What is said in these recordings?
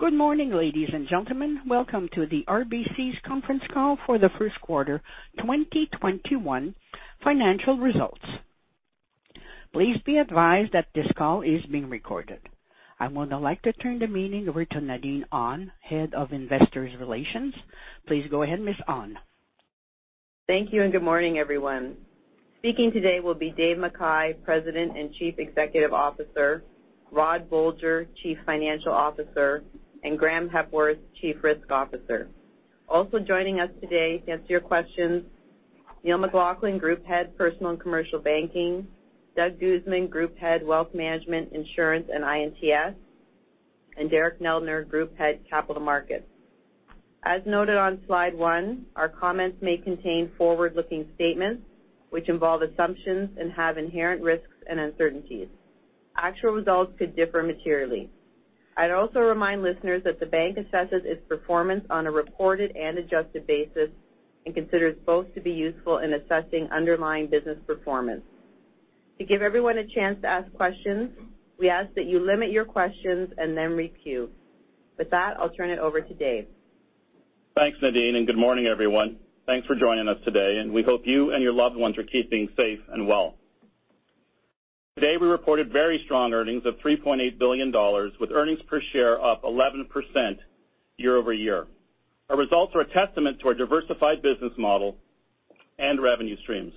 Good morning, ladies and gentlemen. Welcome to the RBC's conference call for the first quarter 2021 financial results. Please be advised that this call is being recorded. I would like to turn the meeting over to Nadine Ahn, Head of Investor Relations. Please go ahead, Ms. Ahn. Thank you. Good morning, everyone. Speaking today will be Dave McKay, President and Chief Executive Officer, Rod Bolger, Chief Financial Officer, and Graeme Hepworth, Chief Risk Officer. Also joining us today to answer your questions, Neil McLaughlin, Group Head, Personal and Commercial Banking, Doug Guzman, Group Head, Wealth Management, Insurance and I&TS, and Derek Neldner, Group Head, Capital Markets. As noted on slide one, our comments may contain forward-looking statements, which involve assumptions and have inherent risks and uncertainties. Actual results could differ materially. I'd also remind listeners that the bank assesses its performance on a reported and adjusted basis and considers both to be useful in assessing underlying business performance. To give everyone a chance to ask questions, we ask that you limit your questions and then queue. With that, I'll turn it over to Dave. Thanks, Nadine. Good morning, everyone. Thanks for joining us today, and we hope you and your loved ones are keeping safe and well. Today, we reported very strong earnings of 3.8 billion dollars with earnings per share up 11% year-over-year. Our results are a testament to our diversified business model and revenue streams.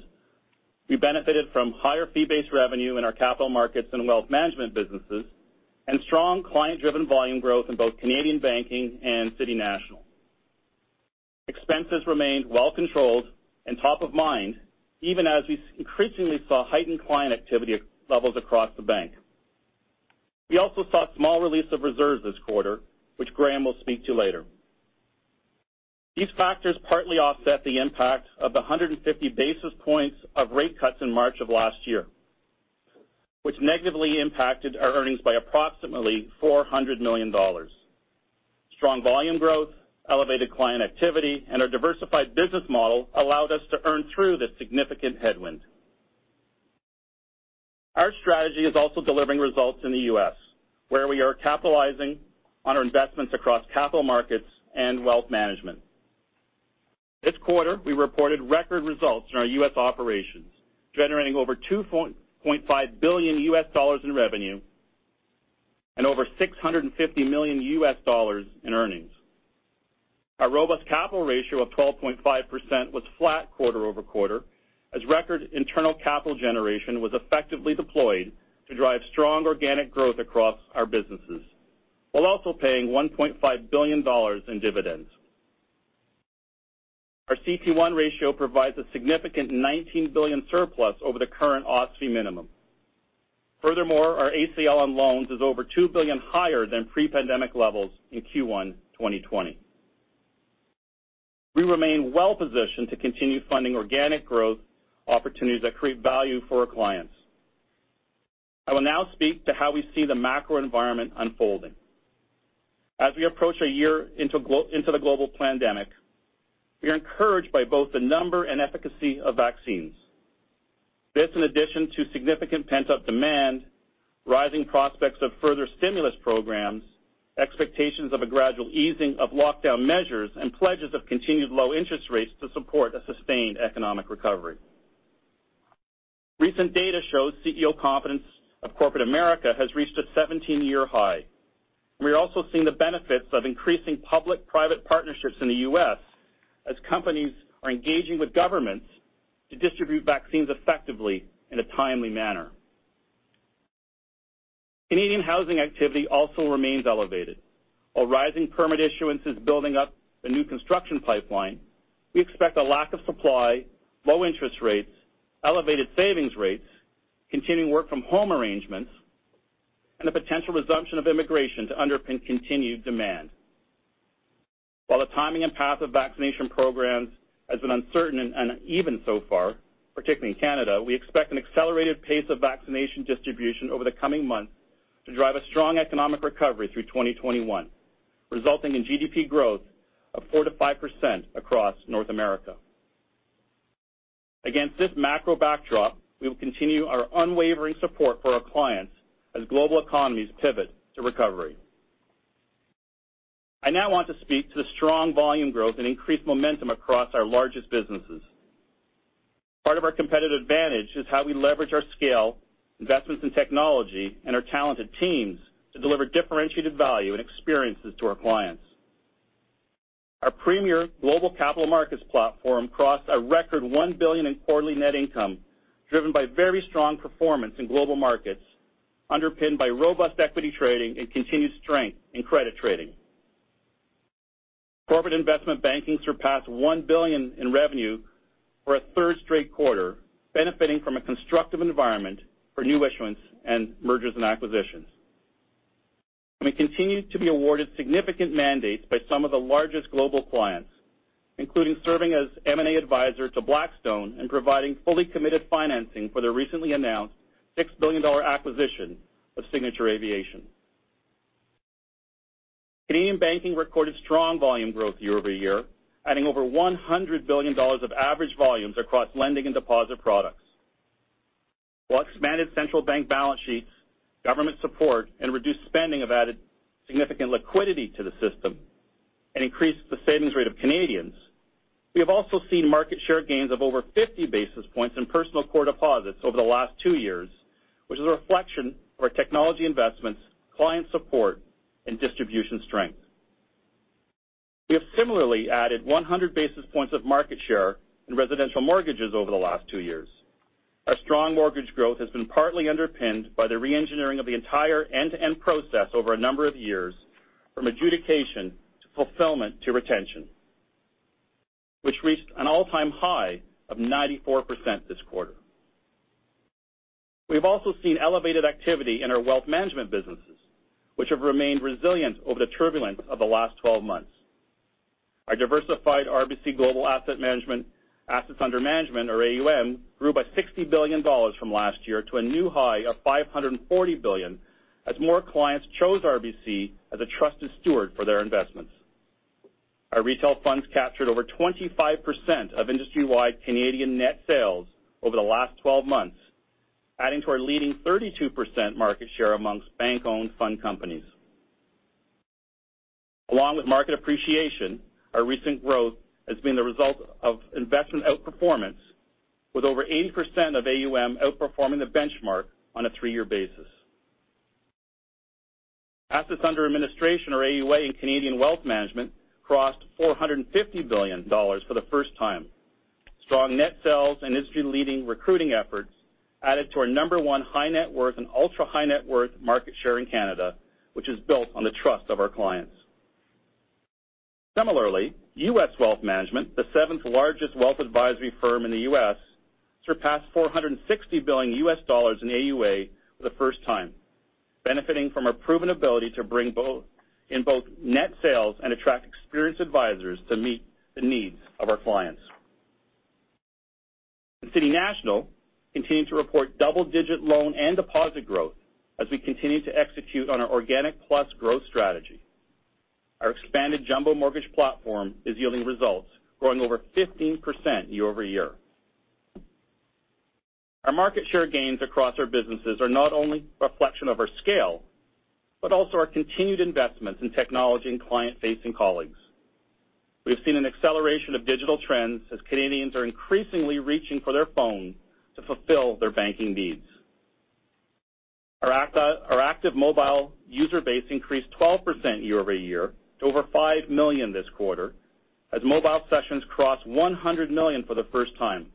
We benefited from higher fee-based revenue in our Capital Markets and Wealth Management businesses and strong client-driven volume growth in both Canadian Banking and City National. Expenses remained well-controlled and top of mind, even as we increasingly saw heightened client activity levels across the bank. We also saw a small release of reserves this quarter, which Graeme will speak to later. These factors partly offset the impact of the 150 basis points of rate cuts in March of last year, which negatively impacted our earnings by approximately 400 million dollars. Strong volume growth, elevated client activity, and our diversified business model allowed us to earn through this significant headwind. Our strategy is also delivering results in the U.S., where we are capitalizing on our investments across capital markets and wealth management. This quarter, we reported record results in our U.S. operations, generating over $2.5 billion in revenue and over $650 million in earnings. Our robust capital ratio of 12.5% was flat quarter-over-quarter, as record internal capital generation was effectively deployed to drive strong organic growth across our businesses while also paying 1.5 billion dollars in dividends. Our CET1 ratio provides a significant 19 billion surplus over the current OSFI minimum. Furthermore, our ACL on loans is over 2 billion higher than pre-pandemic levels in Q1 2020. We remain well-positioned to continue funding organic growth opportunities that create value for our clients. I will now speak to how we see the macro environment unfolding. As we approach a year into the global pandemic, we are encouraged by both the number and efficacy of vaccines. This in addition to significant pent-up demand, rising prospects of further stimulus programs, expectations of a gradual easing of lockdown measures, and pledges of continued low interest rates to support a sustained economic recovery. Recent data shows CEO confidence of Corporate America has reached a 17-year high. We are also seeing the benefits of increasing public-private partnerships in the U.S. as companies are engaging with governments to distribute vaccines effectively in a timely manner. Canadian housing activity also remains elevated. While rising permit issuance is building up the new construction pipeline, we expect a lack of supply, low interest rates, elevated savings rates, continuing work-from-home arrangements, and a potential resumption of immigration to underpin continued demand. While the timing and path of vaccination programs has been uncertain and uneven so far, particularly in Canada, we expect an accelerated pace of vaccination distribution over the coming months to drive a strong economic recovery through 2021, resulting in GDP growth of 4%-5% across North America. Against this macro backdrop, we will continue our unwavering support for our clients as global economies pivot to recovery. I now want to speak to the strong volume growth and increased momentum across our largest businesses. Part of our competitive advantage is how we leverage our scale, investments in technology, and our talented teams to deliver differentiated value and experiences to our clients. Our premier global capital markets platform crossed a record 1 billion in quarterly net income, driven by very strong performance in global markets, underpinned by robust equity trading and continued strength in credit trading. Corporate Investment Banking surpassed 1 billion in revenue for a third straight quarter, benefiting from a constructive environment for new issuance and mergers and acquisitions. We continue to be awarded significant mandates by some of the largest global clients, including serving as M&A advisor to Blackstone and providing fully committed financing for their recently announced 6 billion dollar acquisition of Signature Aviation. Canadian Banking recorded strong volume growth year-over-year, adding over 100 billion dollars of average volumes across lending and deposit products. While expanded central bank balance sheets, government support, and reduced spending have added significant liquidity to the system and increased the savings rate of Canadians, we have also seen market share gains of over 50 basis points in personal core deposits over the last two years, which is a reflection of our technology investments, client support, and distribution strength. We have similarly added 100 basis points of market share in residential mortgages over the last two years. Our strong mortgage growth has been partly underpinned by the re-engineering of the entire end-to-end process over a number of years, from adjudication to fulfillment to retention, which reached an all-time high of 94% this quarter. We've also seen elevated activity in our wealth management businesses, which have remained resilient over the turbulence of the last 12 months. Our diversified RBC Global Asset Management assets under management, or AUM, grew by 60 billion dollars from last year to a new high of 540 billion, as more clients chose RBC as a trusted steward for their investments. Our retail funds captured over 25% of industry-wide Canadian net sales over the last 12 months, adding to our leading 32% market share amongst bank-owned fund companies. Along with market appreciation, our recent growth has been the result of investment outperformance, with over 80% of AUM outperforming the benchmark on a three-year basis. Assets under administration, or AUA, in Canadian wealth management crossed 450 billion dollars for the first time. Strong net sales and industry-leading recruiting efforts added to our number one high-net worth and ultra-high-net worth market share in Canada, which is built on the trust of our clients. Similarly, U.S. Wealth Management, the seventh largest wealth advisory firm in the U.S., surpassed CAD 460 billion in AUA for the first time, benefiting from our proven ability to bring in both net sales and attract experienced advisors to meet the needs of our clients. In City National, we continue to report double-digit loan and deposit growth as we continue to execute on our organic plus growth strategy. Our expanded jumbo mortgage platform is yielding results, growing over 15% year-over-year. Our market share gains across our businesses are not only a reflection of our scale, but also our continued investments in technology and client-facing colleagues. We have seen an acceleration of digital trends as Canadians are increasingly reaching for their phone to fulfill their banking needs. Our active mobile user base increased 12% year-over-year to over 5 million this quarter, as mobile sessions crossed 100 million for the first time.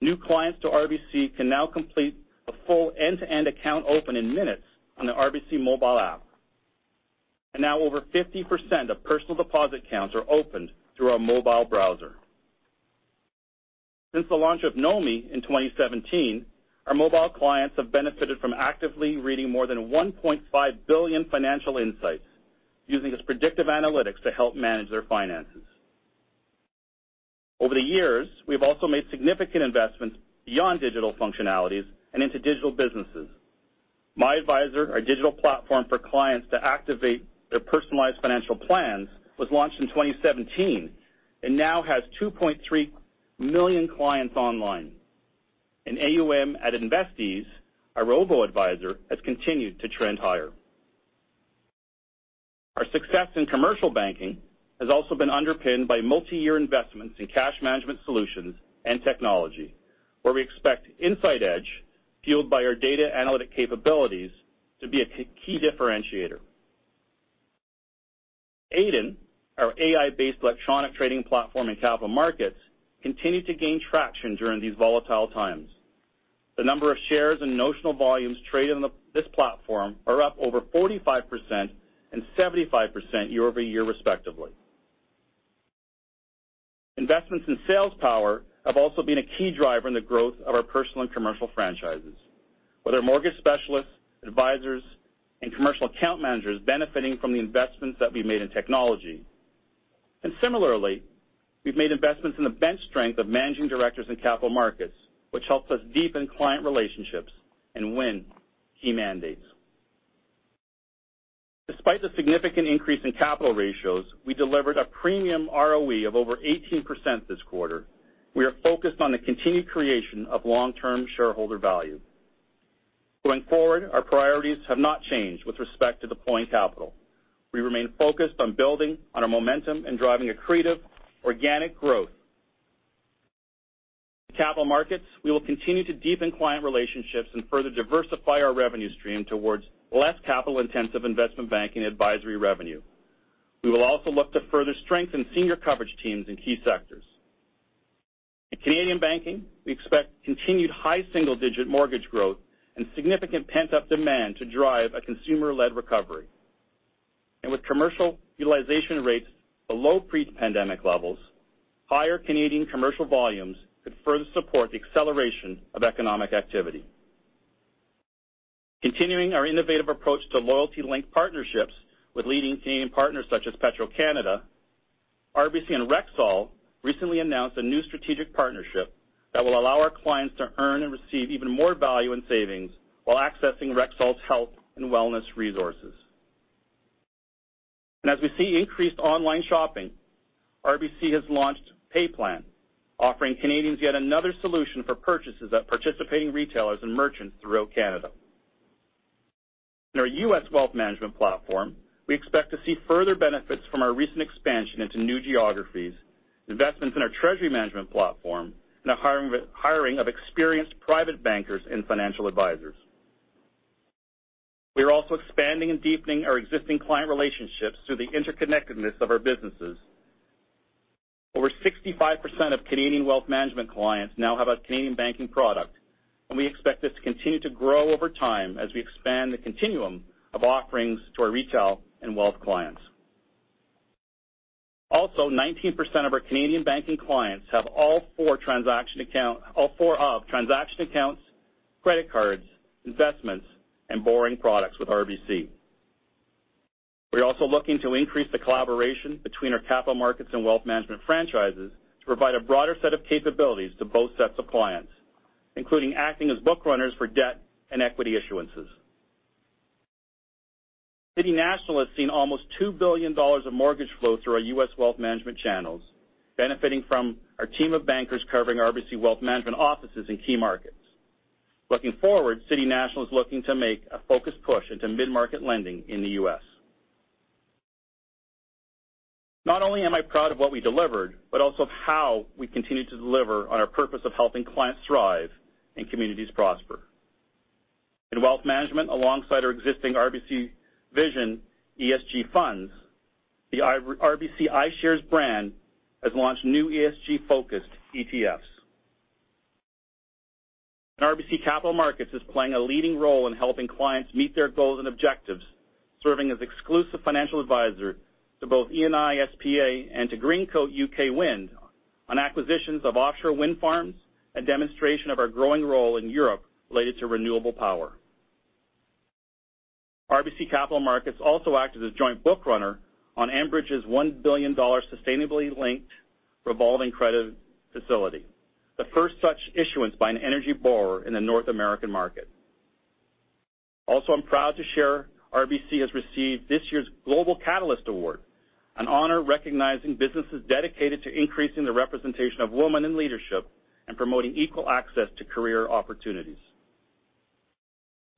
New clients to RBC can now complete a full end-to-end account open in minutes on the RBC Mobile app. Now, over 50% of personal deposit accounts are opened through our mobile browser. Since the launch of NOMI in 2017, our mobile clients have benefited from actively reading more than 1.5 billion financial insights, using its predictive analytics to help manage their finances. Over the years, we have also made significant investments beyond digital functionalities and into digital businesses. MyAdvisor, our digital platform for clients to activate their personalized financial plans, was launched in 2017 and now has 2.3 million clients online. AUM at InvestEase, our robo-advisor, has continued to trend higher. Our success in commercial banking has also been underpinned by multi-year investments in cash management solutions and technology, where we expect Insight Edge, fueled by our data analytic capabilities, to be a key differentiator. Aiden, our AI-based electronic trading platform in capital markets, continued to gain traction during these volatile times. The number of shares and notional volumes traded on this platform are up over 45% and 75% year-over-year, respectively. Investments in sales power have also been a key driver in the growth of our personal and commercial franchises, with our mortgage specialists, advisors, and commercial account managers benefiting from the investments that we've made in technology. Similarly, we've made investments in the bench strength of managing directors in Capital Markets, which helps us deepen client relationships and win key mandates. Despite the significant increase in capital ratios, we delivered a premium ROE of over 18% this quarter. We are focused on the continued creation of long-term shareholder value. Going forward, our priorities have not changed with respect to deploying capital. We remain focused on building on our momentum and driving accretive organic growth. In Capital Markets, we will continue to deepen client relationships and further diversify our revenue stream towards less capital-intensive investment banking advisory revenue. We will also look to further strengthen senior coverage teams in key sectors. In Canadian banking, we expect continued high single-digit mortgage growth and significant pent-up demand to drive a consumer-led recovery. With commercial utilization rates below pre-pandemic levels, higher Canadian commercial volumes could further support the acceleration of economic activity. Continuing our innovative approach to loyalty link partnerships with leading Canadian partners such as Petro-Canada, RBC and Rexall recently announced a new strategic partnership that will allow our clients to earn and receive even more value and savings while accessing Rexall's health and wellness resources. As we see increased online shopping, RBC has launched PayPlan, offering Canadians yet another solution for purchases at participating retailers and merchants throughout Canada. In our U.S. wealth management platform, we expect to see further benefits from our recent expansion into new geographies, investments in our treasury management platform, and the hiring of experienced private bankers and financial advisors. We are also expanding and deepening our existing client relationships through the interconnectedness of our businesses. Over 65% of Canadian wealth management clients now have a Canadian banking product, and we expect this to continue to grow over time as we expand the continuum of offerings to our retail and wealth clients. Also, 19% of our Canadian banking clients have all four of transaction accounts, credit cards, investments, and borrowing products with RBC. We are also looking to increase the collaboration between our Capital Markets and wealth management franchises to provide a broader set of capabilities to both sets of clients, including acting as bookrunners for debt and equity issuances. City National has seen almost 2 billion dollars of mortgage flow through our U.S. wealth management channels, benefiting from our team of bankers covering RBC wealth management offices in key markets. Looking forward, City National is looking to make a focused push into mid-market lending in the U.S. Not only am I proud of what we delivered, but also how we continue to deliver on our purpose of helping clients thrive and communities prosper. In wealth management, alongside our existing RBC Vision ESG funds, the RBC iShares brand has launched new ESG-focused ETFs. RBC Capital Markets is playing a leading role in helping clients meet their goals and objectives, serving as exclusive financial advisor to both Eni S.p.A. and to Greencoat UK Wind on acquisitions of offshore wind farms, a demonstration of our growing role in Europe related to renewable power. RBC Capital Markets also acted as joint bookrunner on Enbridge's 1 billion dollar sustainably linked revolving credit facility, the first such issuance by an energy borrower in the North American market. I'm proud to share RBC has received this year's Global Catalyst Award, an honor recognizing businesses dedicated to increasing the representation of women in leadership and promoting equal access to career opportunities.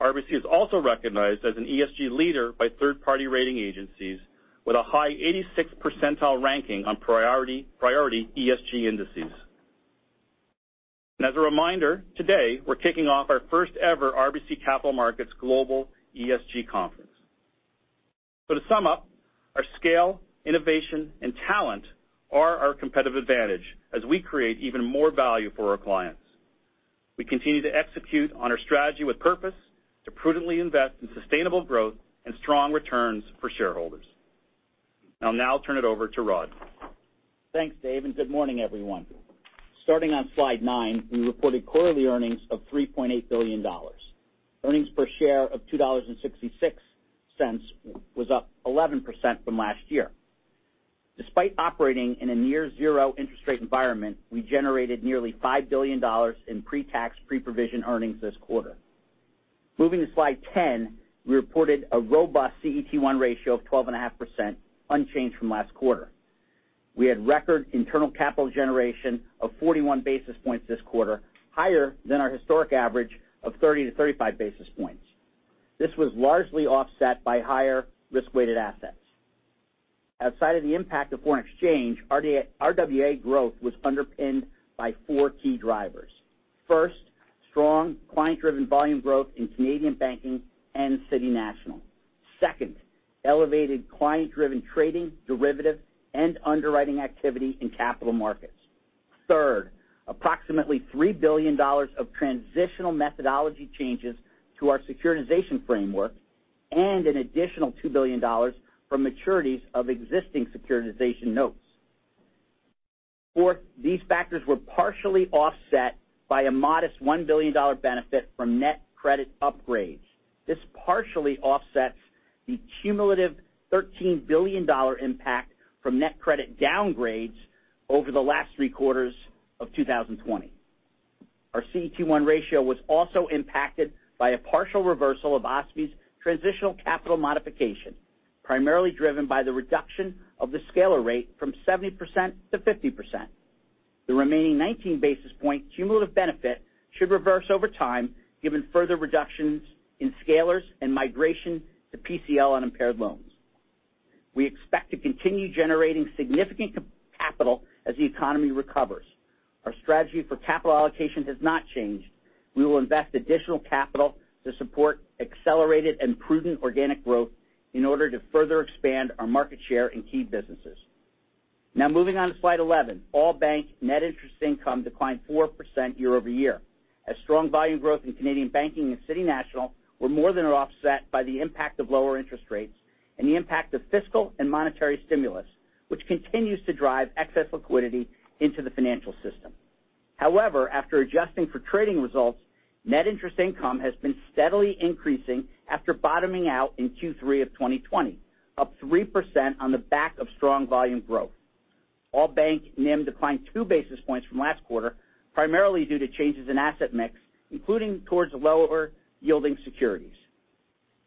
RBC is also recognized as an ESG leader by third-party rating agencies with a high 86th percentile ranking on priority ESG indices. As a reminder, today, we're kicking off our first ever RBC Capital Markets Global ESG Conference. To sum up, our scale, innovation, and talent are our competitive advantage as we create even more value for our clients. We continue to execute on our strategy with purpose to prudently invest in sustainable growth and strong returns for shareholders. I'll now turn it over to Rod. Thanks, Dave, and good morning, everyone. Starting on slide nine, we reported quarterly earnings of 3.8 billion dollars. Earnings per share of 2.66 dollars was up 11% from last year. Despite operating in a near zero interest rate environment, we generated nearly 5 billion dollars in pre-tax, pre-provision earnings this quarter. Moving to slide 10, we reported a robust CET1 ratio of 12.5%, unchanged from last quarter. We had record internal capital generation of 41 basis points this quarter, higher than our historic average of 30 to 35 basis points. This was largely offset by higher RWA. Outside of the impact of foreign exchange, RWA growth was underpinned by four key drivers. First, strong client-driven volume growth in Canadian Banking and City National. Second, elevated client-driven trading, derivative, and underwriting activity in Capital Markets. Third, approximately 3 billion dollars of transitional methodology changes to our securitization framework and an additional 2 billion dollars from maturities of existing securitization notes. Fourth, these factors were partially offset by a modest 1 billion dollar benefit from net credit upgrades. This partially offsets the cumulative 13 billion dollar impact from net credit downgrades over the last three quarters of 2020. Our CET1 ratio was also impacted by a partial reversal of OSFI's transitional capital modification, primarily driven by the reduction of the scalar rate from 70%-50%. The remaining 19 basis point cumulative benefit should reverse over time, given further reductions in scalars and migration to PCL on impaired loans. We expect to continue generating significant capital as the economy recovers. Our strategy for capital allocation has not changed. We will invest additional capital to support accelerated and prudent organic growth in order to further expand our market share in key businesses. Moving on to slide 11. All-bank net interest income declined 4% year-over-year, as strong volume growth in Canadian Banking and City National were more than offset by the impact of lower interest rates and the impact of fiscal and monetary stimulus, which continues to drive excess liquidity into the financial system. After adjusting for trading results, net interest income has been steadily increasing after bottoming out in Q3 of 2020, up 3% on the back of strong volume growth. All-bank NIM declined two basis points from last quarter, primarily due to changes in asset mix, including towards lower yielding securities.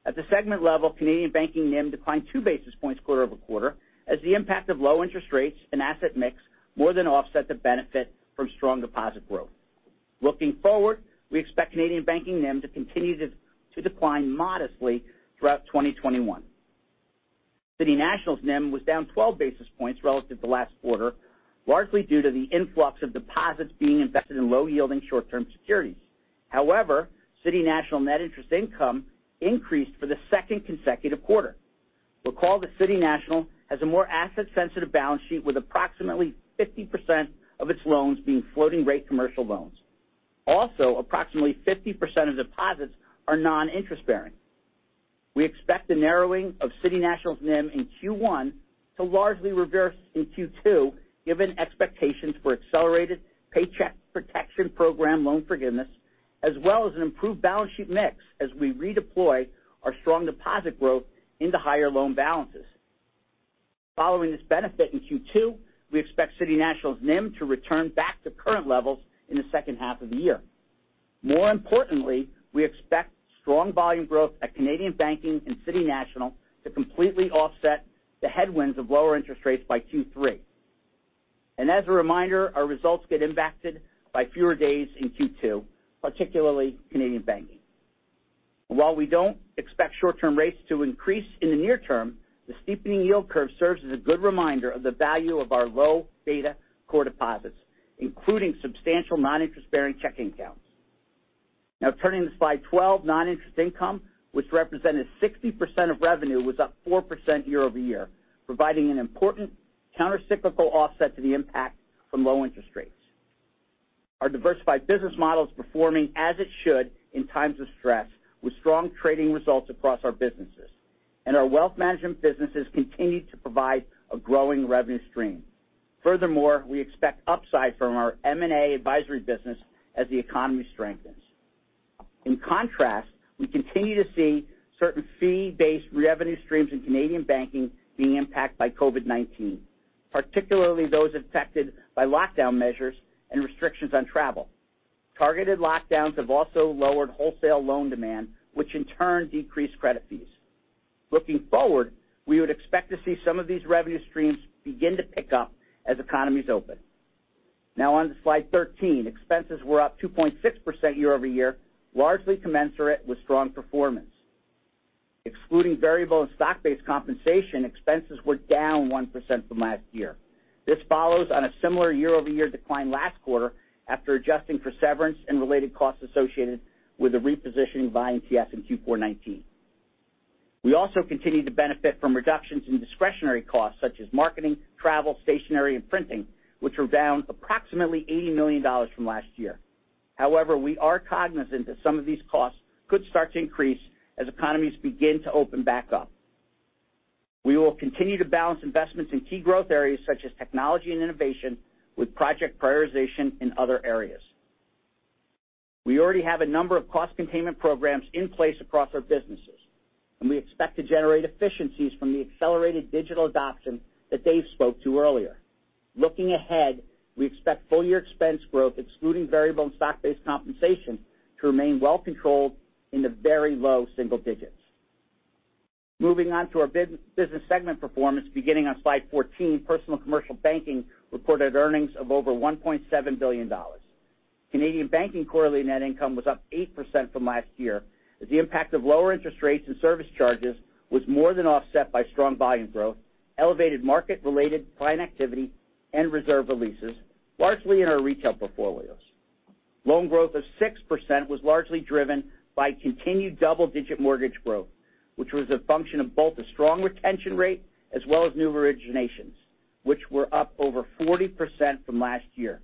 At the segment level, Canadian banking NIM declined two basis points quarter-over-quarter as the impact of low interest rates and asset mix more than offset the benefit from strong deposit growth. Looking forward, we expect Canadian banking NIM to continue to decline modestly throughout 2021. City National's NIM was down 12 basis points relative to last quarter, largely due to the influx of deposits being invested in low yielding short-term securities. However, City National net interest income increased for the second consecutive quarter. Recall that City National has a more asset sensitive balance sheet with approximately 50% of its loans being floating rate commercial loans. Also, approximately 50% of deposits are non-interest-bearing. We expect the narrowing of City National's NIM in Q1 to largely reverse in Q2, given expectations for accelerated Paycheck Protection Program loan forgiveness, as well as an improved balance sheet mix as we redeploy our strong deposit growth into higher loan balances. Following this benefit in Q2, we expect City National's NIM to return back to current levels in the second half of the year. We expect strong volume growth at Canadian Banking and City National to completely offset the headwinds of lower interest rates by Q3. As a reminder, our results get impacted by fewer days in Q2, particularly Canadian Banking. While we don't expect short-term rates to increase in the near term, the steepening yield curve serves as a good reminder of the value of our low beta core deposits, including substantial non-interest-bearing checking accounts. Turning to slide 12. Non-interest income, which represented 60% of revenue, was up 4% year-over-year, providing an important countercyclical offset to the impact from low interest rates. Our diversified business model is performing as it should in times of stress, with strong trading results across our businesses. Our wealth management businesses continue to provide a growing revenue stream. Furthermore, we expect upside from our M&A advisory business as the economy strengthens. In contrast, we continue to see certain fee-based revenue streams in Canadian banking being impacted by COVID-19, particularly those affected by lockdown measures and restrictions on travel. Targeted lockdowns have also lowered wholesale loan demand, which in turn decreased credit fees. Looking forward, we would expect to see some of these revenue streams begin to pick up as economies open. Now on to slide 13. Expenses were up 2.6% year-over-year, largely commensurate with strong performance. Excluding variable and stock-based compensation, expenses were down 1% from last year. This follows on a similar year-over-year decline last quarter after adjusting for severance and related costs associated with the repositioning of I&TS in Q4 2019. We also continue to benefit from reductions in discretionary costs such as marketing, travel, stationery, and printing, which were down approximately 80 million dollars from last year. We are cognizant that some of these costs could start to increase as economies begin to open back up. We will continue to balance investments in key growth areas such as technology and innovation with project prioritization in other areas. We already have a number of cost containment programs in place across our businesses, we expect to generate efficiencies from the accelerated digital adoption that Dave spoke to earlier. Looking ahead, we expect full-year expense growth, excluding variable and stock-based compensation, to remain well controlled in the very low single digits. Moving on to our business segment performance. Beginning on slide 14, Personal and Commercial Banking reported earnings of over 1.7 billion Canadian dollars. Canadian banking quarterly net income was up 8% from last year, as the impact of lower interest rates and service charges was more than offset by strong volume growth, elevated market-related client activity, and reserve releases, largely in our retail portfolios. Loan growth of 6% was largely driven by continued double-digit mortgage growth, which was a function of both a strong retention rate as well as new originations, which were up over 40% from last year.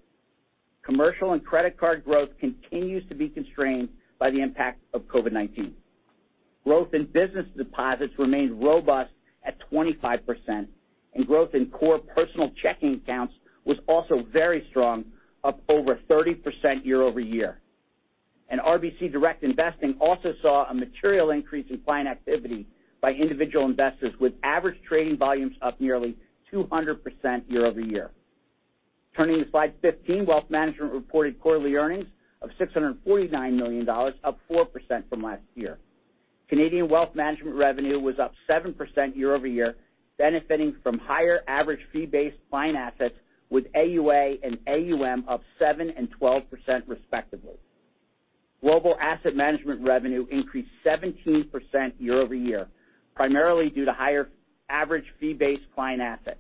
Commercial and credit card growth continues to be constrained by the impact of COVID-19. Growth in business deposits remained robust at 25%, and growth in core personal checking accounts was also very strong, up over 30% year-over-year. RBC Direct Investing also saw a material increase in client activity by individual investors, with average trading volumes up nearly 200% year-over-year. Turning to slide 15. Wealth management reported quarterly earnings of 649 million dollars, up 4% from last year. Canadian wealth management revenue was up 7% year-over-year, benefiting from higher average fee-based client assets with AUA and AUM up 7% and 12%, respectively. Global asset management revenue increased 17% year-over-year, primarily due to higher average fee-based client assets.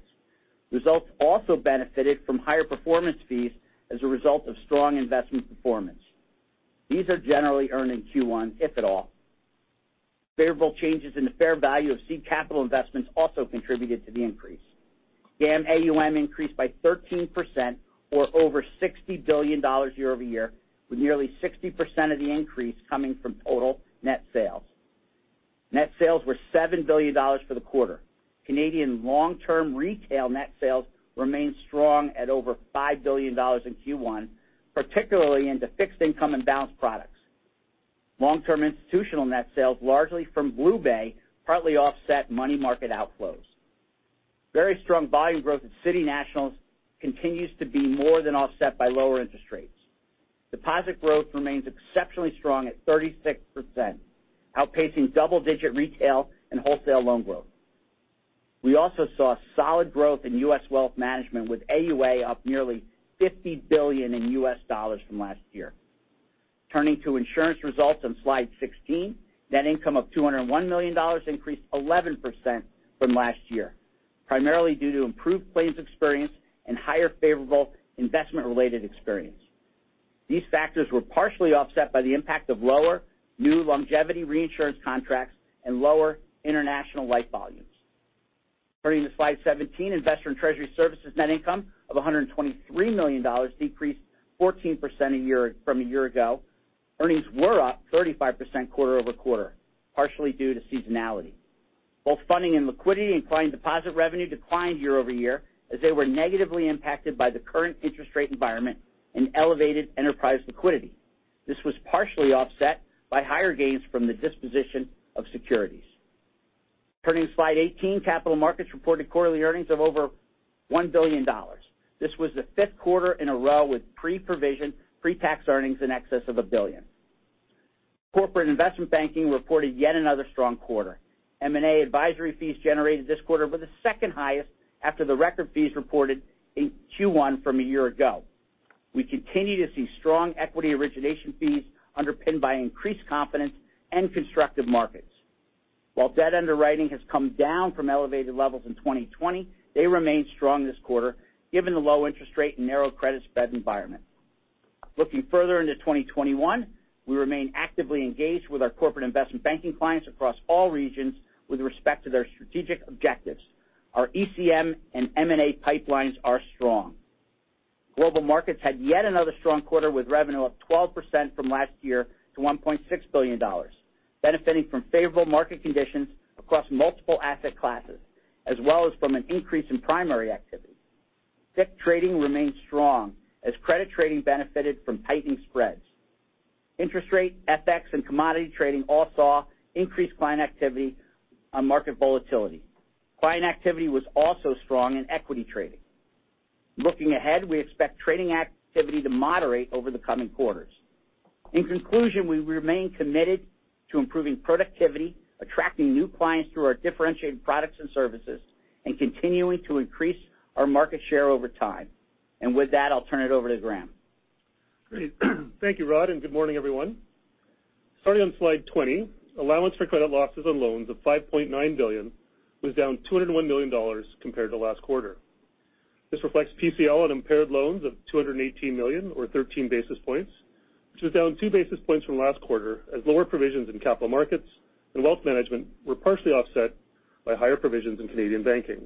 Results also benefited from higher performance fees as a result of strong investment performance. These are generally earned in Q1, if at all. Favorable changes in the fair value of seed capital investments also contributed to the increase. GAM AUM increased by 13%, or over 60 billion dollars year-over-year, with nearly 60% of the increase coming from total net sales. Net sales were 7 billion dollars for the quarter. Canadian long-term retail net sales remained strong at over 5 billion dollars in Q1, particularly into fixed income and balanced products. Long-term institutional net sales, largely from BlueBay, partly offset money market outflows. Very strong volume growth at City National continues to be more than offset by lower interest rates. Deposit growth remains exceptionally strong at 36%, outpacing double-digit retail and wholesale loan growth. We also saw solid growth in U.S. wealth management, with AUA up nearly $50 billion from last year. Turning to insurance results on slide 16. Net income of 201 million dollars increased 11% from last year, primarily due to improved claims experience and higher favorable investment-related experience. These factors were partially offset by the impact of lower new longevity reinsurance contracts and lower international life volumes. Turning to slide 17, Investor & Treasury Services net income of 123 million dollars decreased 14% from a year ago. Earnings were up 35% quarter-over-quarter, partially due to seasonality. Both funding and liquidity and client deposit revenue declined year-over-year as they were negatively impacted by the current interest rate environment and elevated enterprise liquidity. This was partially offset by higher gains from the disposition of securities. Turning to slide 18, Capital Markets reported quarterly earnings of over 1 billion dollars. This was the fifth quarter in a row with pre-provision, pre-tax earnings in excess of 1 billion. Corporate Investment Banking reported yet another strong quarter. M&A advisory fees generated this quarter were the second highest after the record fees reported in Q1 from a year ago. We continue to see strong equity origination fees underpinned by increased confidence and constructive markets. While debt underwriting has come down from elevated levels in 2020, they remained strong this quarter given the low interest rate and narrow credit spread environment. Looking further into 2021, we remain actively engaged with our corporate investment banking clients across all regions with respect to their strategic objectives. Our ECM and M&A pipelines are strong. Global markets had yet another strong quarter, with revenue up 12% from last year to 1.6 billion dollars, benefiting from favorable market conditions across multiple asset classes, as well as from an increase in primary activity. FICC trading remained strong as credit trading benefited from tightened spreads. Interest rate, FX, and commodity trading all saw increased client activity on market volatility. Client activity was also strong in equity trading. Looking ahead, we expect trading activity to moderate over the coming quarters. In conclusion, we remain committed to improving productivity, attracting new clients through our differentiated products and services, and continuing to increase our market share over time. With that, I'll turn it over to Graeme. Great. Thank you, Rod. Good morning, everyone. Starting on slide 20, allowance for credit losses on loans of 5.9 billion was down 201 million dollars compared to last quarter. This reflects PCL on impaired loans of 218 million, or 13 basis points, which was down two basis points from last quarter, as lower provisions in capital markets and wealth management were partially offset by higher provisions in Canadian banking.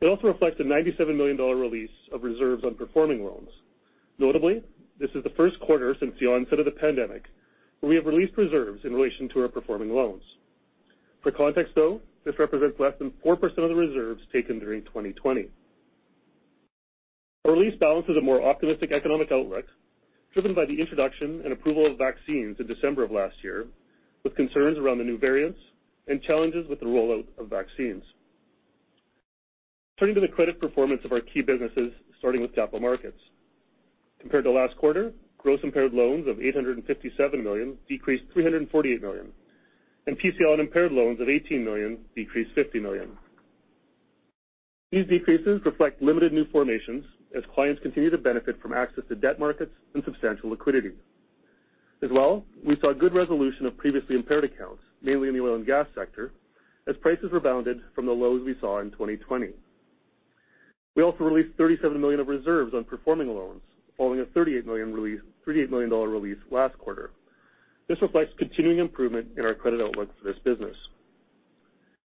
It also reflects a 97 million dollar release of reserves on performing loans. Notably, this is the first quarter since the onset of the pandemic where we have released reserves in relation to our performing loans. For context, though, this represents less than 4% of the reserves taken during 2020. Our release balances a more optimistic economic outlook driven by the introduction and approval of vaccines in December of last year, with concerns around the new variants and challenges with the rollout of vaccines. Turning to the credit performance of our key businesses, starting with Capital Markets. Compared to last quarter, gross impaired loans of 857 million decreased 348 million, and PCL on impaired loans of 18 million decreased 50 million. These decreases reflect limited new formations as clients continue to benefit from access to debt markets and substantial liquidity. As well, we saw good resolution of previously impaired accounts, mainly in the oil and gas sector, as prices rebounded from the lows we saw in 2020. We also released 37 million of reserves on performing loans, following a 38 million release last quarter. This reflects continuing improvement in our credit outlook for this business.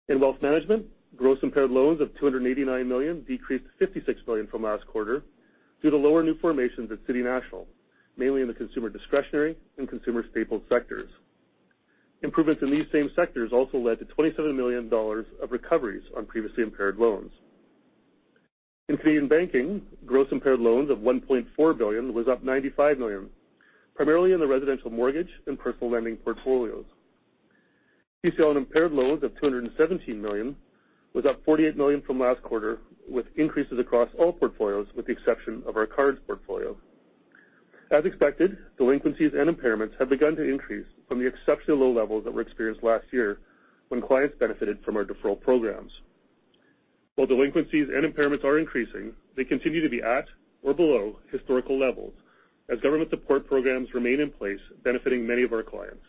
In wealth management, gross impaired loans of 289 million decreased 56 million from last quarter due to lower new formations at City National, mainly in the consumer discretionary and consumer staples sectors. Improvements in these same sectors also led to 27 million dollars of recoveries on previously impaired loans. In Canadian banking, gross impaired loans of 1.4 billion was up 95 million, primarily in the residential mortgage and personal lending portfolios. PCL on impaired loans of 217 million was up 48 million from last quarter, with increases across all portfolios with the exception of our cards portfolio. As expected, delinquencies and impairments have begun to increase from the exceptionally low levels that were experienced last year when clients benefited from our deferral programs. While delinquencies and impairments are increasing, they continue to be at or below historical levels as government support programs remain in place, benefiting many of our clients.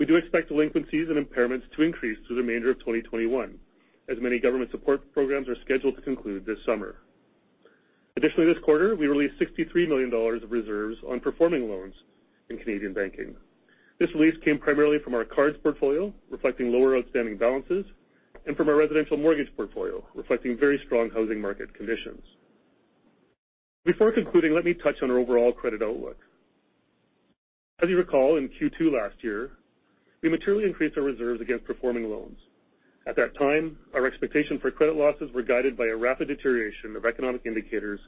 We do expect delinquencies and impairments to increase through the remainder of 2021, as many government support programs are scheduled to conclude this summer. Additionally, this quarter, we released 63 million dollars of reserves on performing loans in Canadian Banking. This release came primarily from our cards portfolio, reflecting lower outstanding balances, and from our residential mortgage portfolio, reflecting very strong housing market conditions. Before concluding, let me touch on our overall credit outlook. As you recall, in Q2 last year, we materially increased our reserves against performing loans. At that time, our expectation for credit losses were guided by a rapid deterioration of economic indicators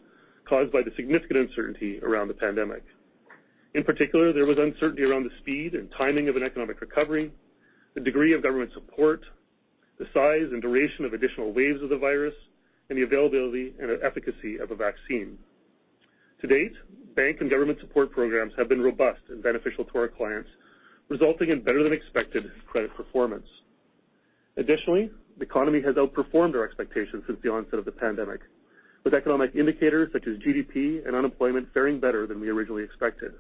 caused by the significant uncertainty around the pandemic. In particular, there was uncertainty around the speed and timing of an economic recovery, the degree of government support, the size and duration of additional waves of the virus, and the availability and efficacy of a vaccine. To date, bank and government support programs have been robust and beneficial to our clients, resulting in better than expected credit performance. Additionally, the economy has outperformed our expectations since the onset of the pandemic, with economic indicators such as GDP and unemployment faring better than we originally expected.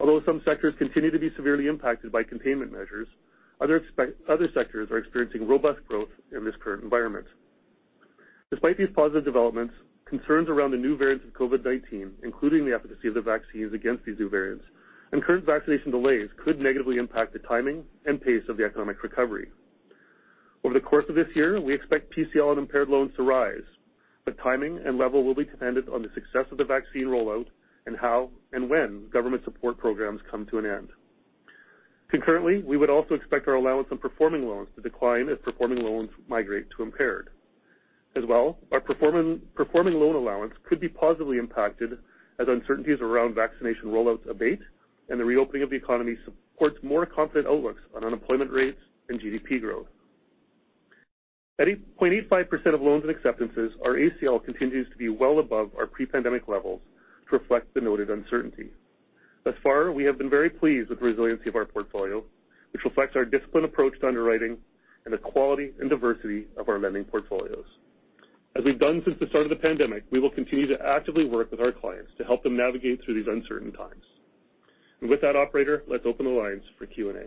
Although some sectors continue to be severely impacted by containment measures, other sectors are experiencing robust growth in this current environment. Despite these positive developments, concerns around the new variants of COVID-19, including the efficacy of the vaccines against these new variants and current vaccination delays, could negatively impact the timing and pace of the economic recovery. Over the course of this year, we expect PCL and impaired loans to rise, but timing and level will be dependent on the success of the vaccine rollout and how and when government support programs come to an end. Concurrently, we would also expect our allowance on performing loans to decline as performing loans migrate to impaired. As well, our performing loan allowance could be positively impacted as uncertainties around vaccination rollouts abate and the reopening of the economy supports more confident outlooks on unemployment rates and GDP growth. At 0.85% of loans and acceptances, our ACL continues to be well above our pre-pandemic levels to reflect the noted uncertainty. Thus far, we have been very pleased with the resiliency of our portfolio, which reflects our disciplined approach to underwriting and the quality and diversity of our lending portfolios. As we've done since the start of the pandemic, we will continue to actively work with our clients to help them navigate through these uncertain times. With that, operator, let's open the lines for Q&A.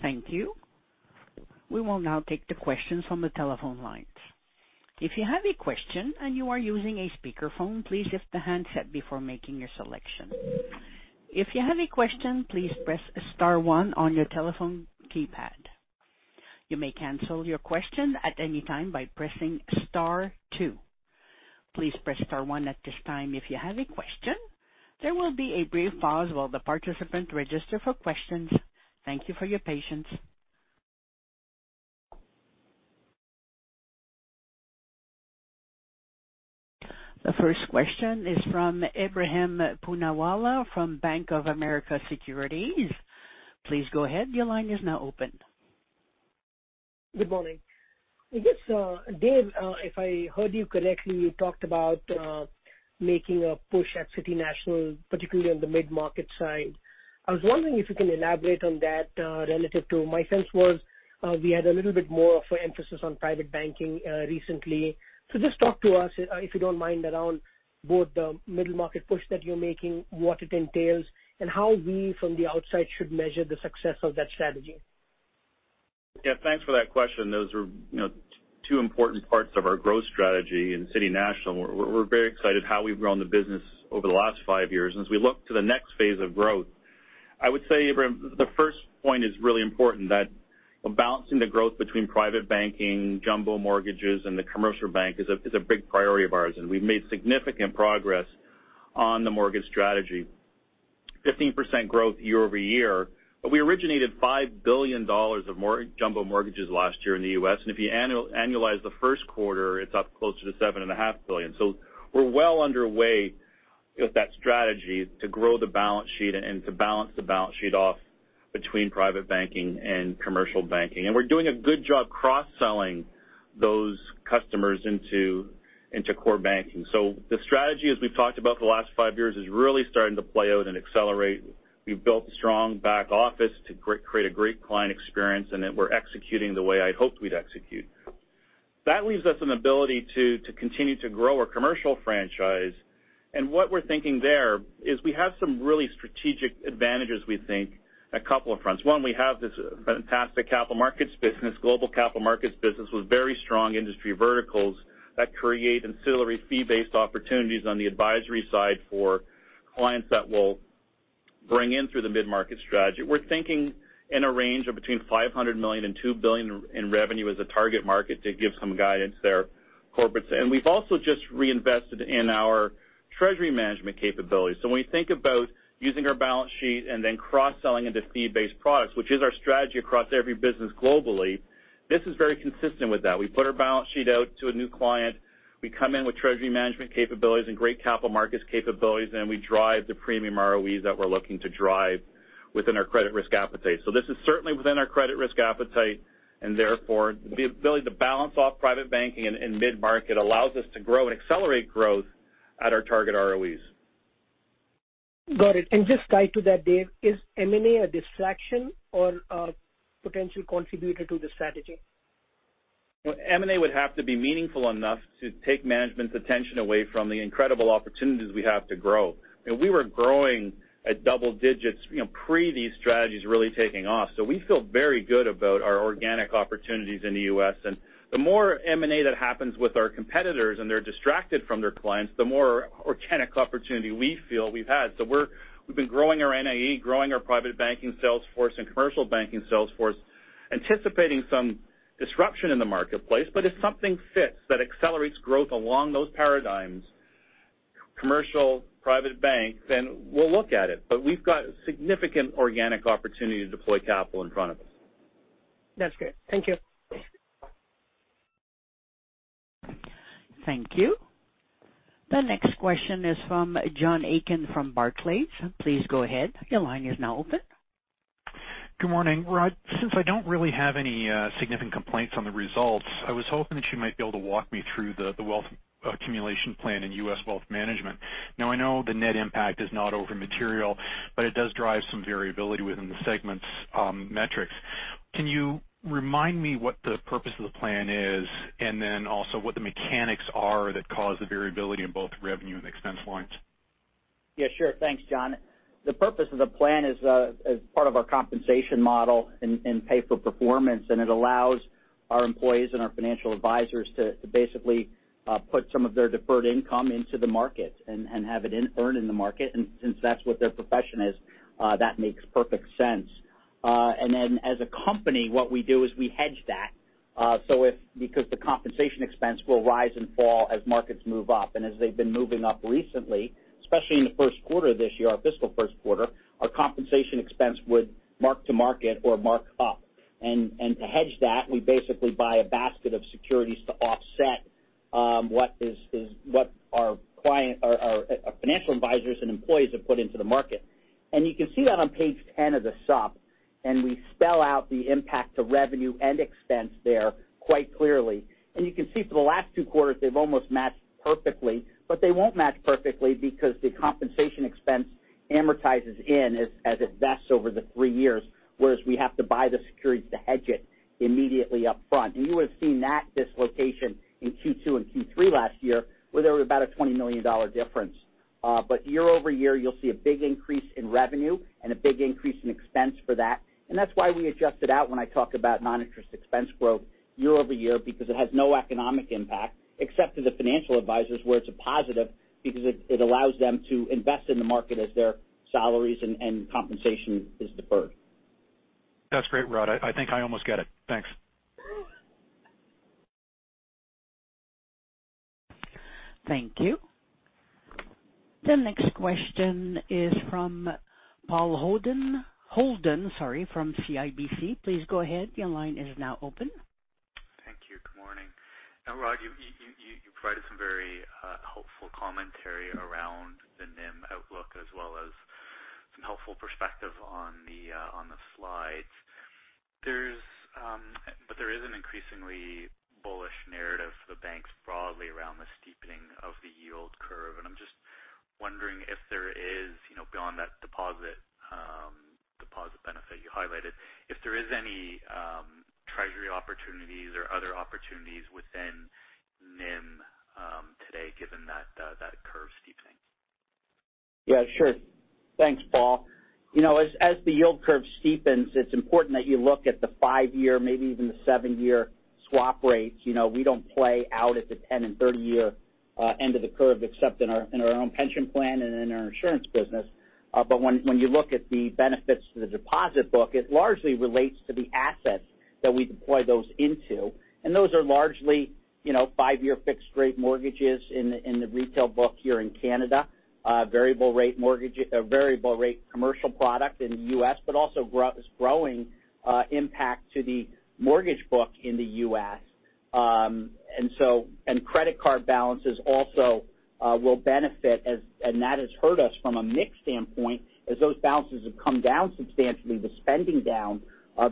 Thank you. The first question is from Ebrahim Poonawala from Bank of America Securities. Please go ahead. Your line is now open. Good morning. I guess, Dave, if I heard you correctly, you talked about making a push at City National, particularly on the mid-market side. I was wondering if you can elaborate on that. My sense was we had a little bit more of an emphasis on private banking recently. Just talk to us, if you don't mind, around both the middle market push that you're making, what it entails, and how we from the outside should measure the success of that strategy. Yeah, thanks for that question. Those are two important parts of our growth strategy in City National. We're very excited how we've grown the business over the last five years. As we look to the next phase of growth, I would say, Ebrahim, the first point is really important, that balancing the growth between private banking, jumbo mortgages, and the commercial bank is a big priority of ours. We've made significant progress on the mortgage strategy, 15% growth year-over-year. We originated $5 billion of jumbo mortgages last year in the U.S., and if you annualize the first quarter, it's up closer to $7.5 billion. We're well underway with that strategy to grow the balance sheet and to balance the balance sheet off between private banking and commercial banking. We're doing a good job cross-selling those customers into core banking. The strategy, as we've talked about the last five years, is really starting to play out and accelerate. We've built a strong back office to create a great client experience, and that we're executing the way I'd hoped we'd execute. That leaves us an ability to continue to grow our commercial franchise, and what we're thinking there is we have some really strategic advantages, we think, on a couple of fronts. One, we have this fantastic capital markets business, global capital markets business, with very strong industry verticals that create ancillary fee-based opportunities on the advisory side for clients that we'll bring in through the mid-market strategy. We're thinking in a range of between 500 million and 2 billion in revenue as a target market to give some guidance there, corporates. We've also just reinvested in our treasury management capabilities. When we think about using our balance sheet and then cross-selling into fee-based products, which is our strategy across every business globally, this is very consistent with that. We put our balance sheet out to a new client. We come in with treasury management capabilities and great capital markets capabilities, and we drive the premium ROEs that we're looking to drive within our credit risk appetite. This is certainly within our credit risk appetite, and therefore, the ability to balance off private banking and mid-market allows us to grow and accelerate growth at our target ROEs. Got it. Just tied to that, Dave, is M&A a distraction or a potential contributor to the strategy? M&A would have to be meaningful enough to take management's attention away from the incredible opportunities we have to grow. We were growing at double digits pre these strategies really taking off. We feel very good about our organic opportunities in the U.S. The more M&A that happens with our competitors and they're distracted from their clients, the more organic opportunity we feel we've had. We've been growing our NAE, growing our private banking sales force and commercial banking sales force, anticipating some disruption in the marketplace. If something fits that accelerates growth along those paradigms, commercial private banks, then we'll look at it. We've got significant organic opportunity to deploy capital in front of us. That's great. Thank you. Thank you. The next question is from John Aiken from Barclays. Please go ahead. Your line is now open. Good morning. Rod, since I don't really have any significant complaints on the results, I was hoping that you might be able to walk me through the wealth accumulation plan in U.S. Wealth Management. I know the net impact is not over material, but it does drive some variability within the segment's metrics. Can you remind me what the purpose of the plan is, and then also what the mechanics are that cause the variability in both revenue and expense lines? Yeah, sure. Thanks, John. The purpose of the plan is as part of our compensation model in pay for performance. It allows our employees and our financial advisors to basically put some of their deferred income into the market and have it earn in the market. Since that's what their profession is, that makes perfect sense. As a company, what we do is we hedge that. Because the compensation expense will rise and fall as markets move up. As they've been moving up recently, especially in the first quarter this year, our fiscal first quarter, our compensation expense would mark to market or mark up. To hedge that, we basically buy a basket of securities to offset what our financial advisors and employees have put into the market. You can see that on page 10 of the supp, and we spell out the impact to revenue and expense there quite clearly. You can see for the last two quarters, they've almost matched perfectly, but they won't match perfectly because the compensation expense amortizes in as it vests over the three years. Whereas we have to buy the securities to hedge it immediately up front. You would've seen that dislocation in Q2 and Q3 last year, where there was about a 20 million dollar difference. Year-over-year, you'll see a big increase in revenue and a big increase in expense for that. That's why we adjust it out when I talk about non-interest expense growth year-over-year because it has no economic impact except to the financial advisors where it's a positive because it allows them to invest in the market as their salaries and compensation is deferred. That's great, Rod. I think I almost get it. Thanks. Thank you. The next question is from Paul Holden from CIBC. Please go ahead. Thank you. Good morning. Now Rod, you provided some very helpful commentary around the NIM outlook as well as some helpful perspective on the slides. There is an increasingly bullish narrative for the banks broadly around the steepening of the yield curve. I'm just wondering if there is, beyond that deposit benefit you highlighted, if there is any treasury opportunities or other opportunities within NIM today given that curve steepening. Sure. Thanks, Paul. As the yield curve steepens, it's important that you look at the five-year, maybe even the seven-year swap rates. We don't play out at the 10 and 30 year-end of the curve except in our own pension plan and in our insurance business. When you look at the benefits to the deposit book, it largely relates to the assets that we deploy those into. Those are largely five-year fixed rate mortgages in the retail book here in Canada. Variable rate commercial product in the U.S., but also growing impact to the mortgage book in the U.S. Credit card balances also will benefit as that has hurt us from a mix standpoint as those balances have come down substantially with spending down,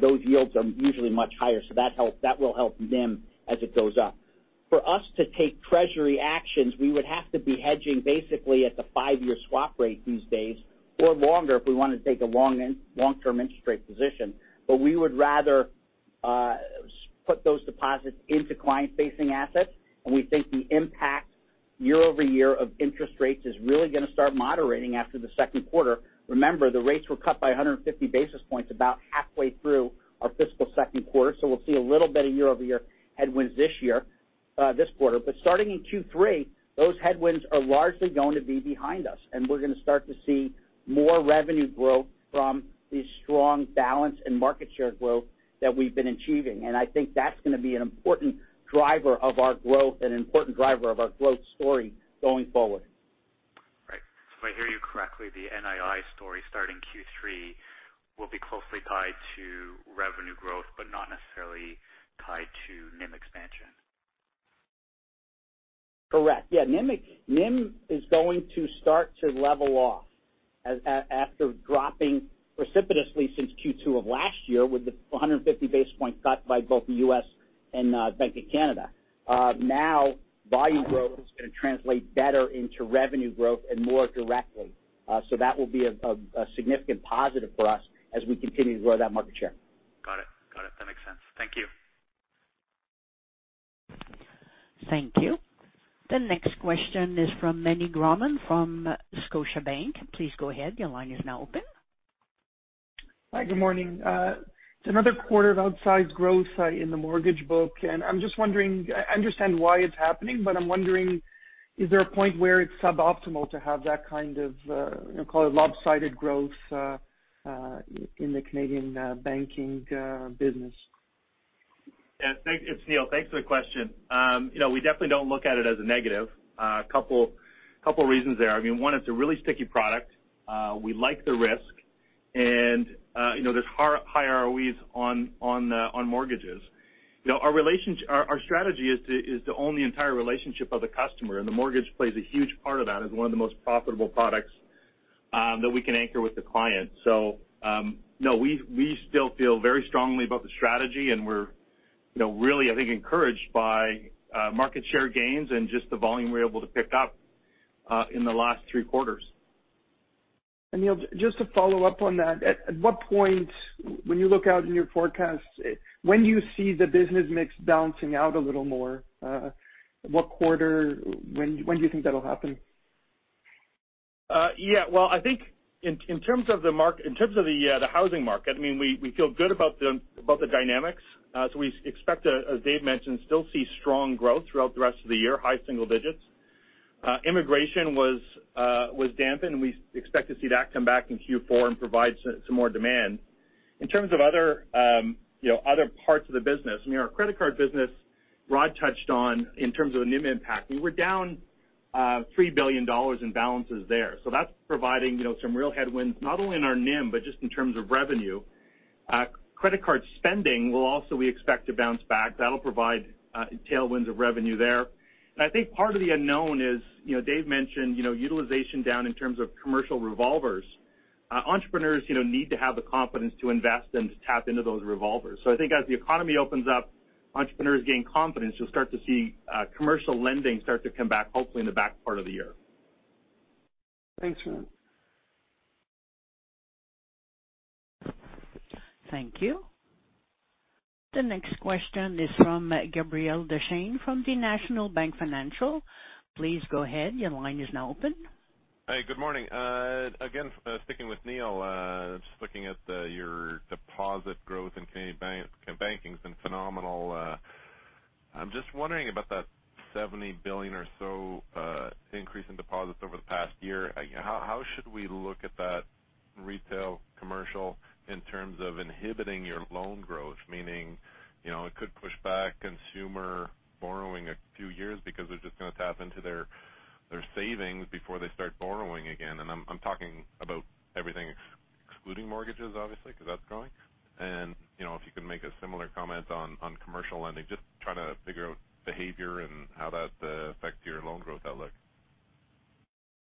those yields are usually much higher. That will help NIM as it goes up. For us to take treasury actions, we would have to be hedging basically at the five-year swap rate these days or longer if we want to take a long-term interest rate position. We would rather put those deposits into client-facing assets, and we think the impact year-over-year of interest rates is really going to start moderating after the second quarter. Remember, the rates were cut by 150 basis points about halfway through our fiscal second quarter, so we'll see a little bit of year-over-year headwinds this quarter. Starting in Q3, those headwinds are largely going to be behind us, and we're going to start to see more revenue growth from the strong balance and market share growth that we've been achieving. I think that's going to be an important driver of our growth story going forward. Right. If I hear you correctly, the NII story starting Q3 will be closely tied to revenue growth, but not necessarily tied to NIM expansion. Correct. Yeah. NIM is going to start to level off after dropping precipitously since Q2 of last year with the 150 basis point cut by both the U.S. and Bank of Canada. Now volume growth is going to translate better into revenue growth and more directly. That will be a significant positive for us as we continue to grow that market share. Got it. That makes sense. Thank you. Thank you. The next question is from Meny Grauman from Scotiabank. Please go ahead. Hi, good morning. It's another quarter of outsized growth in the mortgage book, and I'm just wondering, I understand why it's happening, but I'm wondering, is there a point where it's suboptimal to have that kind of, call it lopsided growth in the Canadian banking business? It's Neil, thanks for the question. We definitely don't look at it as a negative. Couple reasons there. I mean, one, it's a really sticky product. We like the risk, and there's higher ROEs on mortgages. Our strategy is to own the entire relationship of the customer, and the mortgage plays a huge part of that as one of the most profitable products that we can anchor with the client. No, we still feel very strongly about the strategy, and we're really, I think, encouraged by market share gains and just the volume we were able to pick up in the last three quarters. Neil, just to follow up on that, at what point, when you look out in your forecast, when do you see the business mix balancing out a little more? What quarter, when do you think that'll happen? Well, I think in terms of the housing market, I mean, we feel good about the dynamics. We expect, as Dave mentioned, still see strong growth throughout the rest of the year, high single digits. Immigration was dampened, we expect to see that come back in Q4 and provide some more demand. In terms of other parts of the business, I mean, our credit card business, Rod touched on in terms of a NIM impact. We were down 3 billion dollars in balances there. That's providing some real headwinds, not only in our NIM, but just in terms of revenue. Credit card spending will also, we expect, to bounce back. That'll provide tailwinds of revenue there. I think part of the unknown is, Dave mentioned utilization down in terms of commercial revolvers. Entrepreneurs need to have the confidence to invest and to tap into those revolvers. I think as the economy opens up, entrepreneurs gain confidence, you'll start to see commercial lending start to come back, hopefully in the back part of the year. Thanks for that. Thank you. The next question is from Gabriel Dechaine from the National Bank Financial. Please go ahead. Your line is now open. Hey, good morning. Again, sticking with Neil, just looking at your deposit growth in Canadian banking has been phenomenal. I'm just wondering about that 70 billion or so increase in deposits over the past year. How should we look at that retail commercial in terms of inhibiting your loan growth? Meaning, it could push back consumer borrowing a few years because they're just going to tap into their savings before they start borrowing again. I'm talking about everything excluding mortgages, obviously, because that's growing. If you could make a similar comment on commercial lending, just trying to figure out behavior and how that affects your loan growth outlook.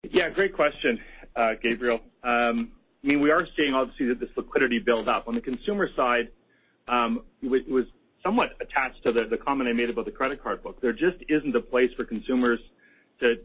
Yeah, great question, Gabriel. I mean, we are seeing, obviously, this liquidity build up. On the consumer side, it was somewhat attached to the comment I made about the credit card book. There just isn't a place for consumers to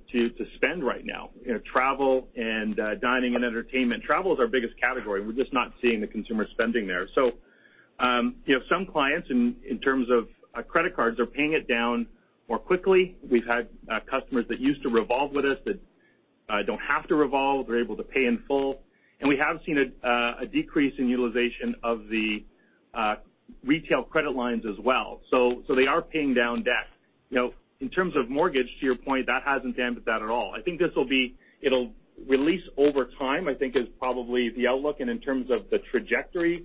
spend right now. Travel and dining and entertainment. Travel is our biggest category. We're just not seeing the consumer spending there. Some clients, in terms of credit cards, are paying it down more quickly. We've had customers that used to revolve with us that don't have to revolve. They're able to pay in full. We have seen a decrease in utilization of the retail credit lines as well. They are paying down debt. In terms of mortgage, to your point, that hasn't dampened that at all. I think it'll release over time, I think is probably the outlook, and in terms of the trajectory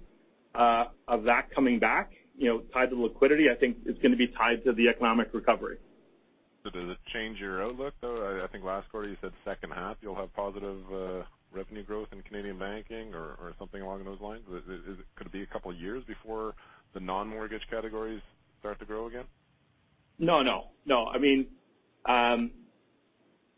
of that coming back tied to liquidity, I think it's going to be tied to the economic recovery. Does it change your outlook, though? I think last quarter you said second half you'll have positive revenue growth in Canadian banking or something along those lines. Could it be a couple of years before the non-mortgage categories start to grow again? No. I mean,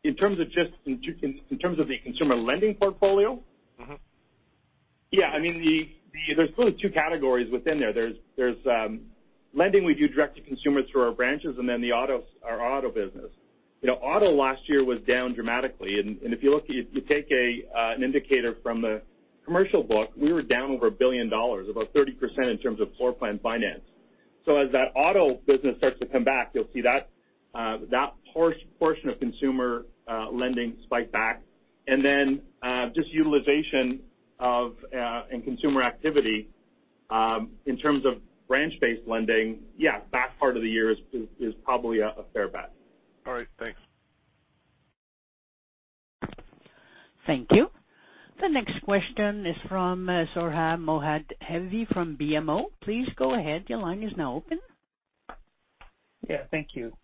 in terms of the consumer lending portfolio- I mean, there's really two categories within there. There's lending we do direct to consumers through our branches and our auto business. Auto last year was down dramatically, if you take an indicator from the commercial book, we were down over 1 billion dollars, about 30% in terms of floor plan finance. As that auto business starts to come back, you'll see that portion of consumer lending spike back. Then just utilization and consumer activity in terms of branch-based lending, yeah, back part of the year is probably a fair bet. All right. Thanks. Thank you. The next question is from Sohrab Movahedi from BMO. Please go ahead. Your line is now open. Yeah. Thank you.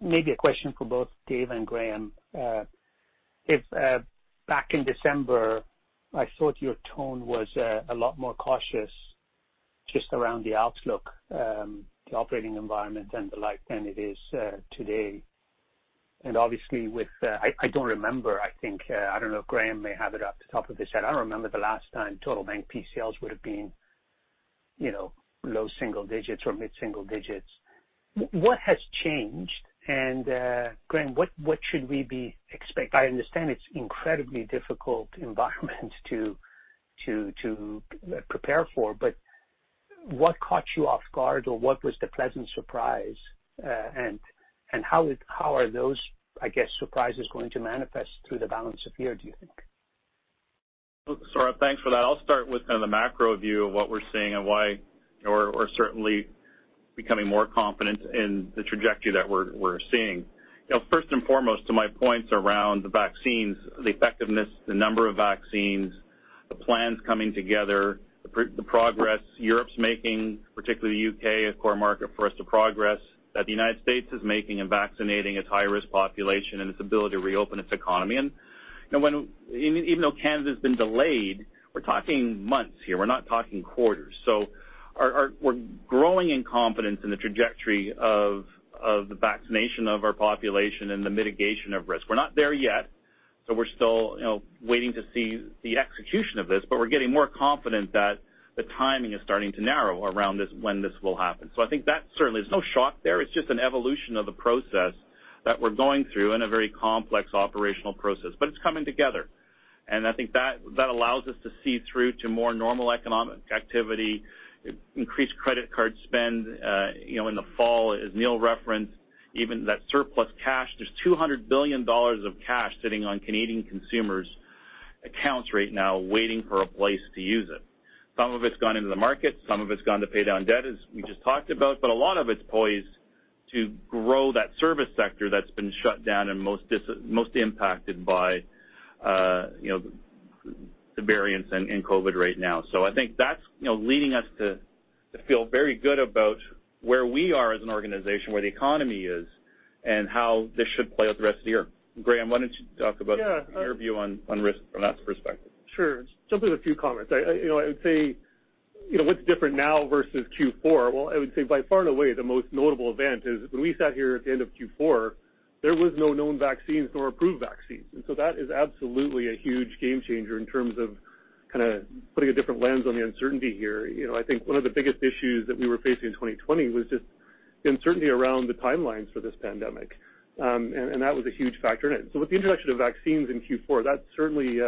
Maybe a question for both Dave and Graeme. Back in December, I thought your tone was a lot more cautious just around the outlook, the operating environment and the like than it is today. Obviously, I don't remember, I think, I don't know if Graeme may have it off the top of his head. I don't remember the last time total bank PCLs would have been low single digits or mid-single digits. What has changed? Graeme, what should we expect? I understand it's incredibly difficult environment to prepare for, but what caught you off guard or what was the pleasant surprise? How are those, I guess, surprises going to manifest through the balance of the year, do you think? Sohrab, thanks for that. I'll start with kind of the macro view of what we're seeing and why we're certainly becoming more confident in the trajectory that we're seeing. First and foremost, to my points around the vaccines, the effectiveness, the number of vaccines The plans coming together, the progress Europe's making, particularly the U.K., a core market for us to progress, that the U.S. is making in vaccinating its high-risk population and its ability to reopen its economy. Even though Canada's been delayed, we're talking months here, we're not talking quarters. We're growing in confidence in the trajectory of the vaccination of our population and the mitigation of risk. We're not there yet, so we're still waiting to see the execution of this, but we're getting more confident that the timing is starting to narrow around when this will happen. I think that certainly is no shock there. It's just an evolution of the process that we're going through and a very complex operational process, but it's coming together. I think that allows us to see through to more normal economic activity, increased credit card spend in the fall, as Neil referenced, even that surplus cash. There's 200 billion dollars of cash sitting on Canadian consumers' accounts right now waiting for a place to use it. Some of it's gone into the market, some of it's gone to pay down debt, as we just talked about, but a lot of it's poised to grow that service sector that's been shut down and most impacted by the variants and COVID right now. I think that's leading us to feel very good about where we are as an organization, where the economy is, and how this should play out the rest of the year. Graeme, why don't you talk about your view on risk from that perspective? Sure. Just a few comments. I would say, what's different now versus Q4? I would say by far and away, the most notable event is when we sat here at the end of Q4, there was no known vaccines nor approved vaccines. That is absolutely a huge game changer in terms of kind of putting a different lens on the uncertainty here. I think one of the biggest issues that we were facing in 2020 was just the uncertainty around the timelines for this pandemic. That was a huge factor in it. With the introduction of vaccines in Q4, that certainly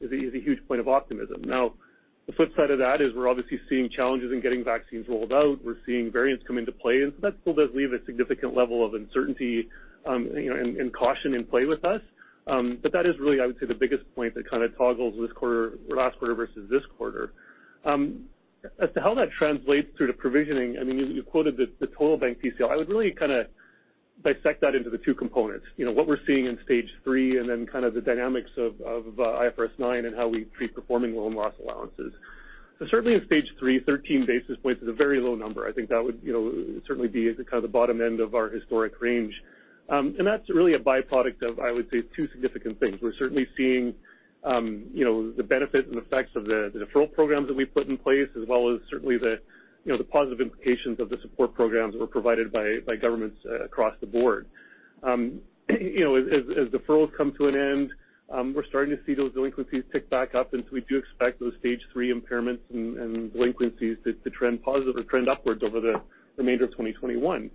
is a huge point of optimism. The flip side of that is we're obviously seeing challenges in getting vaccines rolled out. We're seeing variants come into play. That still does leave a significant level of uncertainty and caution in play with us. That is really, I would say, the biggest point that kind of toggles last quarter versus this quarter. As to how that translates through to provisioning, you quoted the total bank PCL. I would really kind of dissect that into the two components. What we're seeing in Stage III, and then kind of the dynamics of IFRS 9 and how we treat performing loan loss allowances. Certainly in Stage III, 13 basis points is a very low number. I think that would certainly be at the kind of the bottom end of our historic range. That's really a by-product of, I would say, two significant things. We're certainly seeing the benefit and effects of the deferral programs that we've put in place, as well as certainly the positive implications of the support programs that were provided by governments across the board. As deferrals come to an end, we're starting to see those delinquencies tick back up, we do expect those Stage III impairments and delinquencies to trend positive or trend upwards over the remainder of 2021.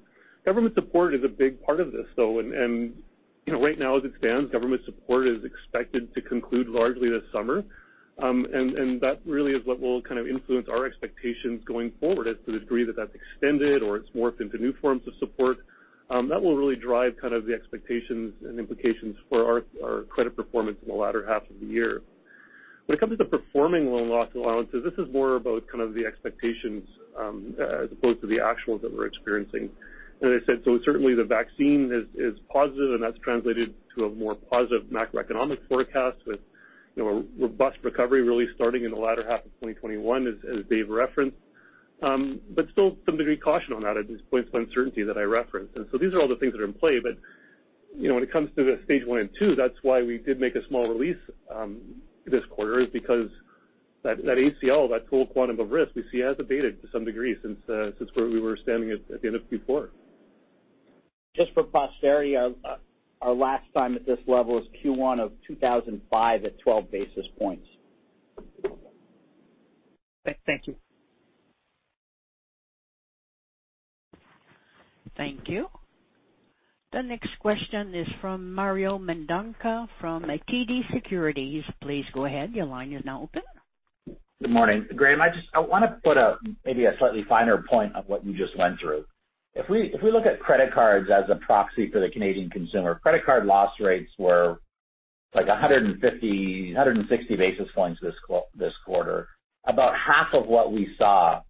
Government support is a big part of this, though, right now as it stands, government support is expected to conclude largely this summer. That really is what will kind of influence our expectations going forward as to the degree that that's extended or it's morphed into new forms of support. That will really drive kind of the expectations and implications for our credit performance in the latter half of the year. When it comes to performing loan loss allowances, this is more about kind of the expectations as opposed to the actuals that we're experiencing. As I said, certainly the vaccine is positive, and that's translated to a more positive macroeconomic forecast with a robust recovery really starting in the latter half of 2021, as Dave referenced. Still some degree of caution on that at these points of uncertainty that I referenced. These are all the things that are in play. When it comes to the Stage I and II, that's why we did make a small release this quarter is because that ACL, that total quantum of risk we see has abated to some degree since where we were standing at the end of Q4. Just for posterity, our last time at this level is Q1 of 2005 at 12 basis points. Thank you. Thank you. The next question is from Mario Mendonca from TD Securities. Please go ahead. Good morning. Graeme, I want to put maybe a slightly finer point on what you just went through. If we look at credit cards as a proxy for the Canadian consumer, credit card loss rates were like 150, 160 basis points this quarter, about half of what we saw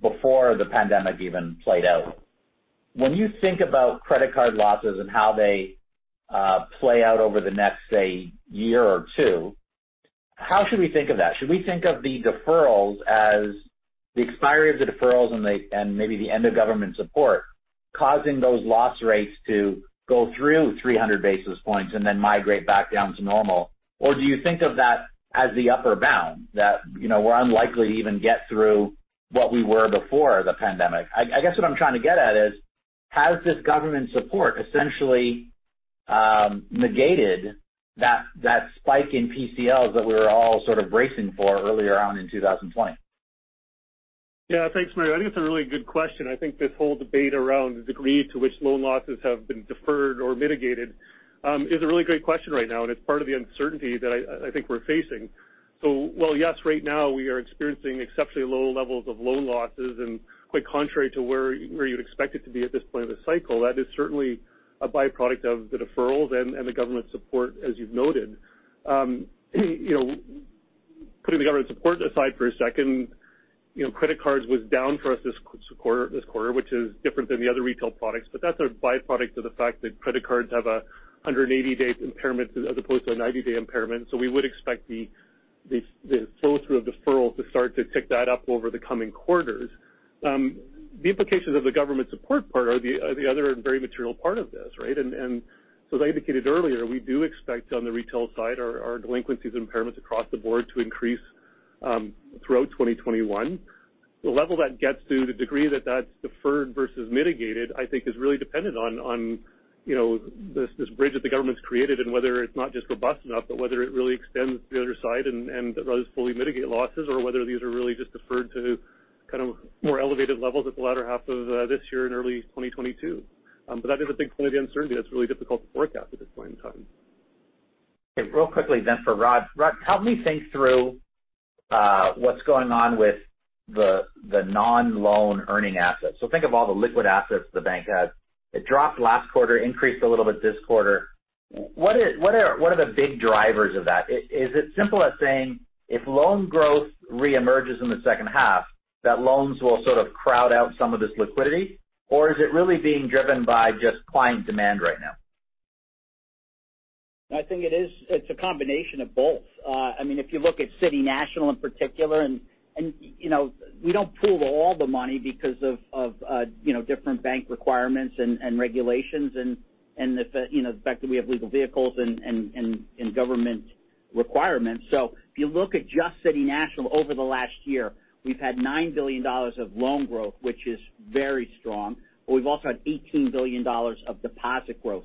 before the pandemic even played out. When you think about credit card losses and how they play out over the next, say, year or two, how should we think of that? Should we think of the deferrals as the expiry of the deferrals and maybe the end of government support causing those loss rates to go through 300 basis points and then migrate back down to normal? Or do you think of that as the upper bound that we're unlikely to even get through what we were before the pandemic? I guess what I'm trying to get at is, has this government support essentially negated that spike in PCLs that we were all sort of bracing for earlier on in 2020? Yeah, thanks, Mario. I think it's a really good question. I think this whole debate around the degree to which loan losses have been deferred or mitigated is a really great question right now, and it's part of the uncertainty that I think we're facing. While yes, right now we are experiencing exceptionally low levels of loan losses and quite contrary to where you'd expect it to be at this point of the cycle, that is certainly a by-product of the deferrals and the government support, as you've noted. Putting the government support aside for a second. Credit cards was down for us this quarter, which is different than the other retail products. That's a byproduct of the fact that credit cards have a 180-day impairment as opposed to a 90-day impairment. We would expect the flow-through of deferrals to start to tick that up over the coming quarters. The implications of the government support part are the other very material part of this. As I indicated earlier, we do expect on the retail side, our delinquencies and impairments across the board to increase throughout 2021. The level that gets to, the degree that's deferred versus mitigated, I think is really dependent on this bridge that the government's created and whether it's not just robust enough, but whether it really extends the other side and does fully mitigate losses, or whether these are really just deferred to more elevated levels at the latter half of this year and early 2022. That is a big point of the uncertainty that's really difficult to forecast at this point in time. Real quickly then for Rod. Rod, help me think through what's going on with the non-loan earning assets. Think of all the liquid assets the bank has. It dropped last quarter, increased a little bit this quarter. What are the big drivers of that? Is it simple as saying if loan growth re-emerges in the second half, that loans will sort of crowd out some of this liquidity? Or is it really being driven by just client demand right now? I think it's a combination of both. If you look at City National in particular, we don't pool all the money because of different bank requirements and regulations and the fact that we have legal vehicles and government requirements. If you look at just City National over the last year, we've had $9 billion of loan growth, which is very strong. We've also had $18 billion of deposit growth.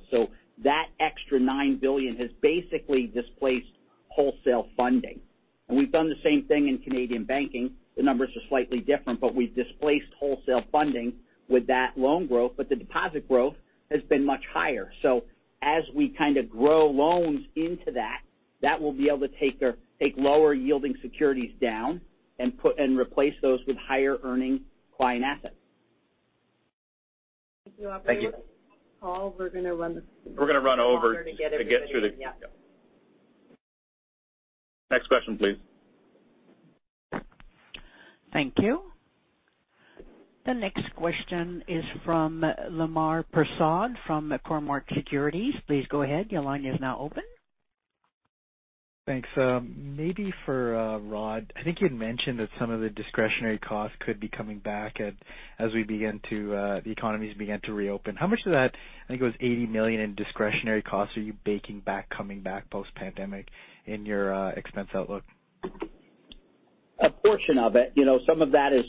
That extra $9 billion has basically displaced wholesale funding. We've done the same thing in Canadian banking. The numbers are slightly different, but we've displaced wholesale funding with that loan growth, but the deposit growth has been much higher. As we kind of grow loans into that will be able to take lower yielding securities down and replace those with higher earning client assets. Thank you. Thank you. Paul, We're going to run over to get through, yeah. Next question, please. Thank you. The next question is from Lemar Persaud from Cormark Securities. Please go ahead. Your line is now open. Thanks. Maybe for Rod. I think you'd mentioned that some of the discretionary costs could be coming back as the economies begin to reopen. How much of that, I think it was 80 million in discretionary costs, are you baking back, coming back post-pandemic in your expense outlook? A portion of it. Some of that is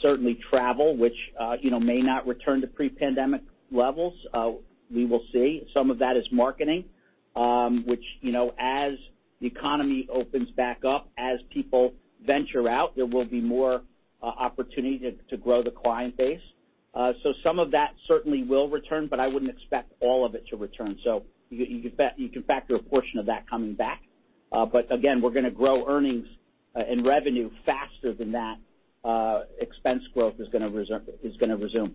certainly travel, which may not return to pre-pandemic levels. We will see. Some of that is marketing, which, as the economy opens back up, as people venture out, there will be more opportunity to grow the client base. Some of that certainly will return, but I wouldn't expect all of it to return. You can factor a portion of that coming back. Again, we're going to grow earnings and revenue faster than that expense growth is going to resume.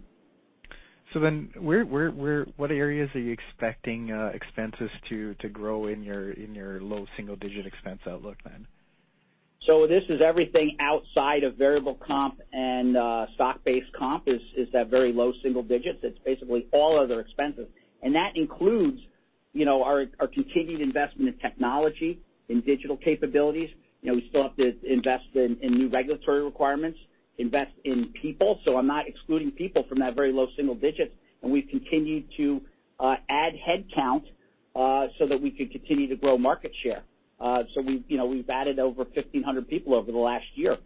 What areas are you expecting expenses to grow in your low single-digit expense outlook then? This is everything outside of variable comp and stock-based comp is that very low single digits. It's basically all other expenses. That includes our continued investment in technology, in digital capabilities. We still have to invest in new regulatory requirements, invest in people. I'm not excluding people from that very low single digits. We've continued to add headcount so that we could continue to grow market share. We've added over 1,500 people over the last year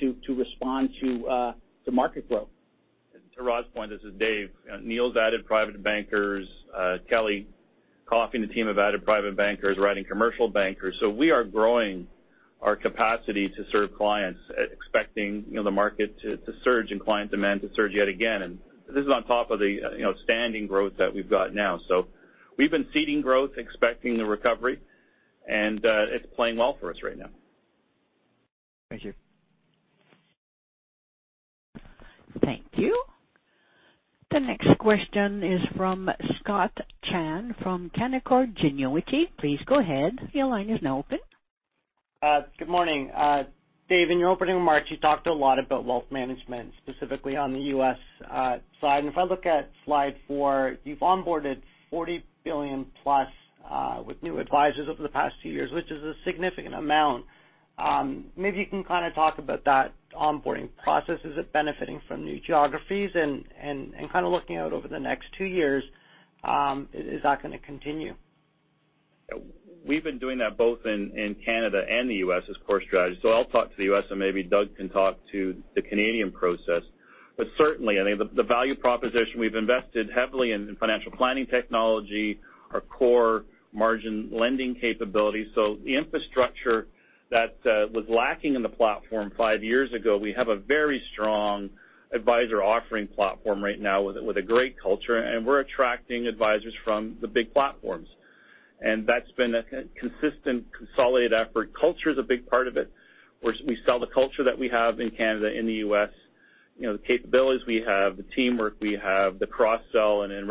to respond to market growth. To Rod's point, this is Dave. Neil's added private bankers. Kelly Coffey and the team have added private bankers, adding commercial bankers. We are growing our capacity to serve clients, expecting the market to surge and client demand to surge yet again. This is on top of the standing growth that we've got now. We've been seeding growth, expecting the recovery, and it's playing well for us right now. Thank you. Thank you. The next question is from Scott Chan from Canaccord Genuity. Please go ahead. Your line is now open. Good morning. Dave, in your opening remarks, you talked a lot about wealth management, specifically on the U.S. side. If I look at slide four, you've onboarded 40 billion plus with new advisors over the past two years, which is a significant amount. Maybe you can kind of talk about that onboarding process. Is it benefiting from new geographies? Kind of looking out over the next two years, is that going to continue? We've been doing that both in Canada and the U.S. as core strategy. I'll talk to the U.S., and maybe Doug can talk to the Canadian process. Certainly, I think the value proposition, we've invested heavily in financial planning technology, our core margin lending capabilities. The infrastructure that was lacking in the platform five years ago, we have a very strong advisor offering platform right now with a great culture, and we're attracting advisors from the big platforms. That's been a consistent, consolidated effort. Culture is a big part of it. We sell the culture that we have in Canada, in the U.S. The capabilities we have, the teamwork we have, the cross-sell, and then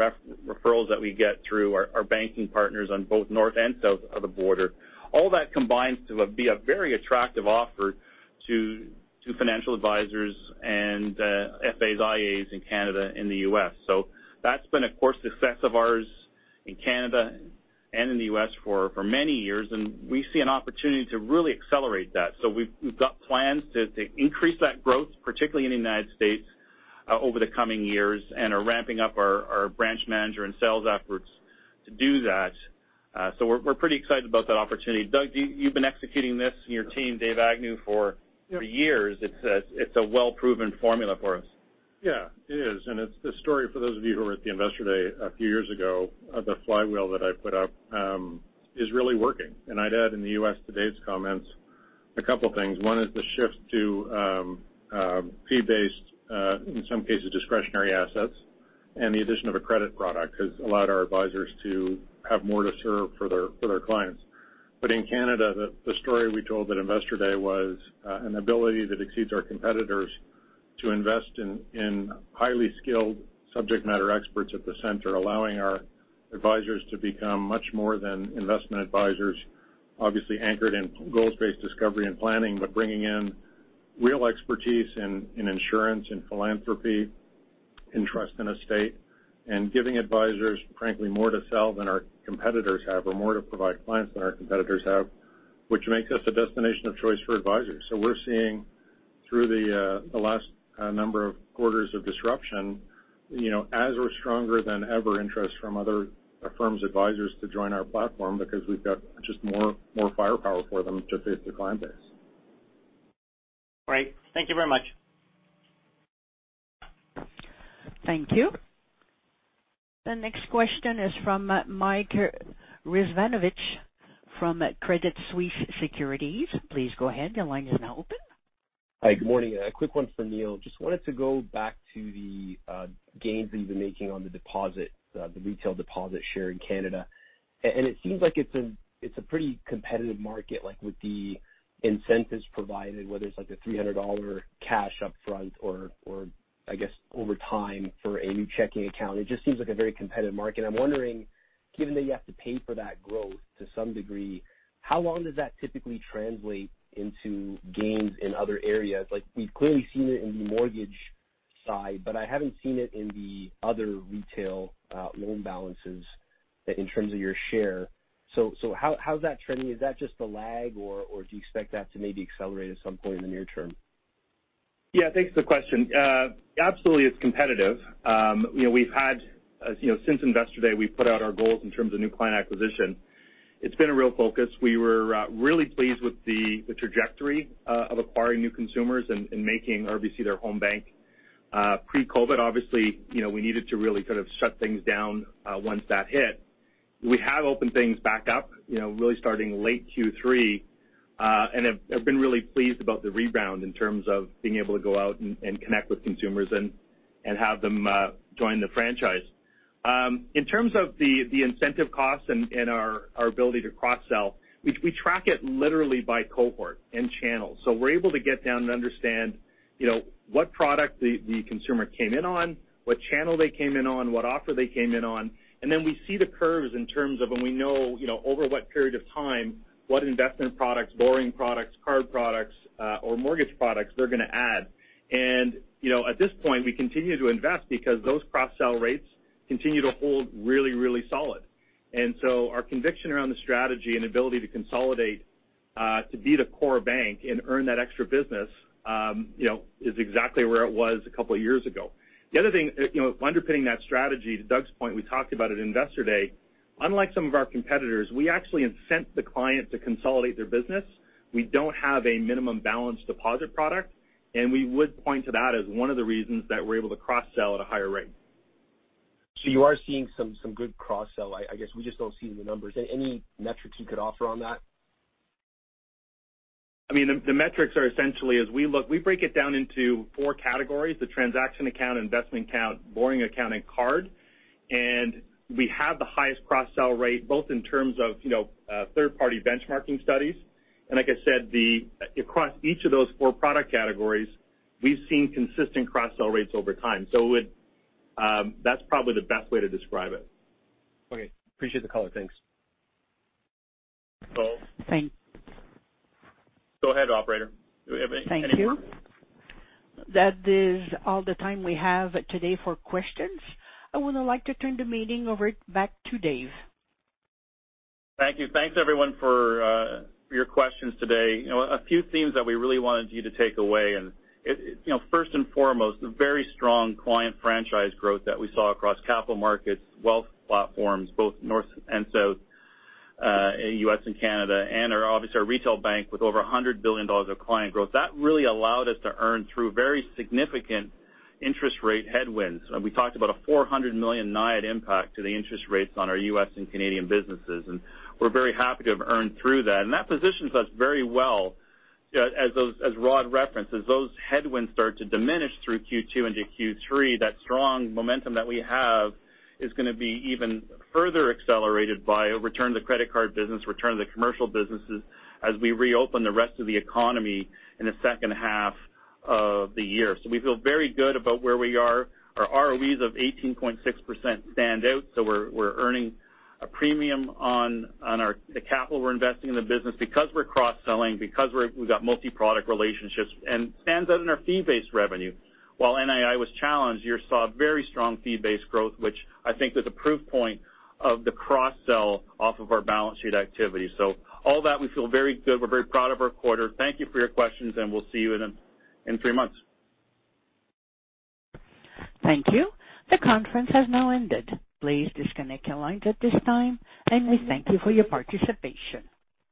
referrals that we get through our banking partners on both north and south of the border. All that combines to be a very attractive offer to financial advisors and IAs in Canada and the U.S. That's been, of course, the success of ours in Canada and in the U.S. for many years, and we see an opportunity to really accelerate that. We've got plans to increase that growth, particularly in the United States, over the coming years and are ramping up our branch manager and sales efforts to do that. We're pretty excited about that opportunity. Doug, you've been executing this and your team, David Agnew, for years. It's a well-proven formula for us. Yeah, it is. It's the story for those of you who were at the Investor Day a few years ago, the flywheel that I put up is really working. I'd add in the U.S. to Dave's comments, a couple things. One is the shift to fee-based, in some cases, discretionary assets, and the addition of a credit product has allowed our advisors to have more to serve for their clients. In Canada, the story we told at Investor Day was an ability that exceeds our competitors to invest in highly skilled subject matter experts at the center, allowing our advisors to become much more than Investment Advisors, obviously anchored in goals-based discovery and planning, but bringing in real expertise in insurance, in philanthropy, in trust and estate, and giving advisors, frankly, more to sell than our competitors have or more to provide clients than our competitors have, which makes us a destination of choice for advisors. We're seeing through the last number of quarters of disruption, as we're stronger than ever interest from other firms' advisors to join our platform because we've got just more firepower for them to fit their client base. Great. Thank you very much. Thank you. The next question is from Mike Rizvanovic from Credit Suisse Securities. Please go ahead. Hi. Good morning. A quick one for Neil. Just wanted to go back to the gains that you've been making on the retail deposit share in Canada. It seems like it's a pretty competitive market, like with the incentives provided, whether it's like the 300 dollar cash up front or I guess over time for a new checking account. It just seems like a very competitive market. I'm wondering, given that you have to pay for that growth to some degree, how long does that typically translate into gains in other areas? We've clearly seen it in the mortgage side, but I haven't seen it in the other retail loan balances in terms of your share. How's that trending? Is that just a lag, or do you expect that to maybe accelerate at some point in the near term? Yeah. Thanks for the question. Absolutely, it's competitive. Since Investor Day, we've put out our goals in terms of new client acquisition. It's been a real focus. We were really pleased with the trajectory of acquiring new consumers and making RBC their home bank. Pre-COVID, obviously we needed to really sort of shut things down once that hit. We have opened things back up really starting late Q3 and have been really pleased about the rebound in terms of being able to go out and connect with consumers and have them join the franchise. In terms of the incentive costs and our ability to cross-sell, we track it literally by cohort and channel. We're able to get down and understand what product the consumer came in on, what channel they came in on, what offer they came in on, and then we see the curves in terms of when we know over what period of time, what investment products, borrowing products, card products, or mortgage products they're going to add. At this point, we continue to invest because those cross-sell rates continue to hold really solid. Our conviction around the strategy and ability to consolidate to be the core bank and earn that extra business is exactly where it was a couple of years ago. The other thing underpinning that strategy, to Doug's point, we talked about at Investor Day, unlike some of our competitors, we actually incent the client to consolidate their business. We don't have a minimum balance deposit product, and we would point to that as one of the reasons that we're able to cross-sell at a higher rate. You are seeing some good cross-sell. I guess we just don't see it in the numbers. Any metrics you could offer on that? The metrics are essentially as we look, we break it down into four categories, the transaction account, investment account, borrowing account, and card. We have the highest cross-sell rate both in terms of third-party benchmarking studies. Like I said, across each of those 4 product categories, we've seen consistent cross-sell rates over time. That's probably the best way to describe it. Okay. Appreciate the color. Thanks. Paul? Thanks. Go ahead, operator. Do we have any more? Thank you. That is all the time we have today for questions. I would like to turn the meeting over back to Dave. Thank you. Thanks, everyone, for your questions today. A few themes that we really wanted you to take away, and first and foremost, the very strong client franchise growth that we saw across Capital Markets, wealth platforms, both north and south, U.S. and Canada, and obviously our retail bank with over 100 billion dollars of client growth. That really allowed us to earn through very significant interest rate headwinds. We talked about a 400 million NIAT impact to the interest rates on our U.S. and Canadian businesses, and we're very happy to have earned through that. That positions us very well as Rod references, those headwinds start to diminish through Q2 into Q3. That strong momentum that we have is going to be even further accelerated by a return to the credit card business, return to the commercial businesses as we reopen the rest of the economy in the second half of the year. We feel very good about where we are. Our ROEs of 18.6% stand out. We're earning a premium on the capital we're investing in the business because we're cross-selling, because we've got multi-product relationships and stands out in our fee-based revenue. While NII was challenged, you saw very strong fee-based growth, which I think is a proof point of the cross-sell off of our balance sheet activity. All that, we feel very good. We're very proud of our quarter. Thank you for your questions, and we'll see you in three months. Thank you. The conference has now ended. Please disconnect your lines at this time. We thank you for your participation.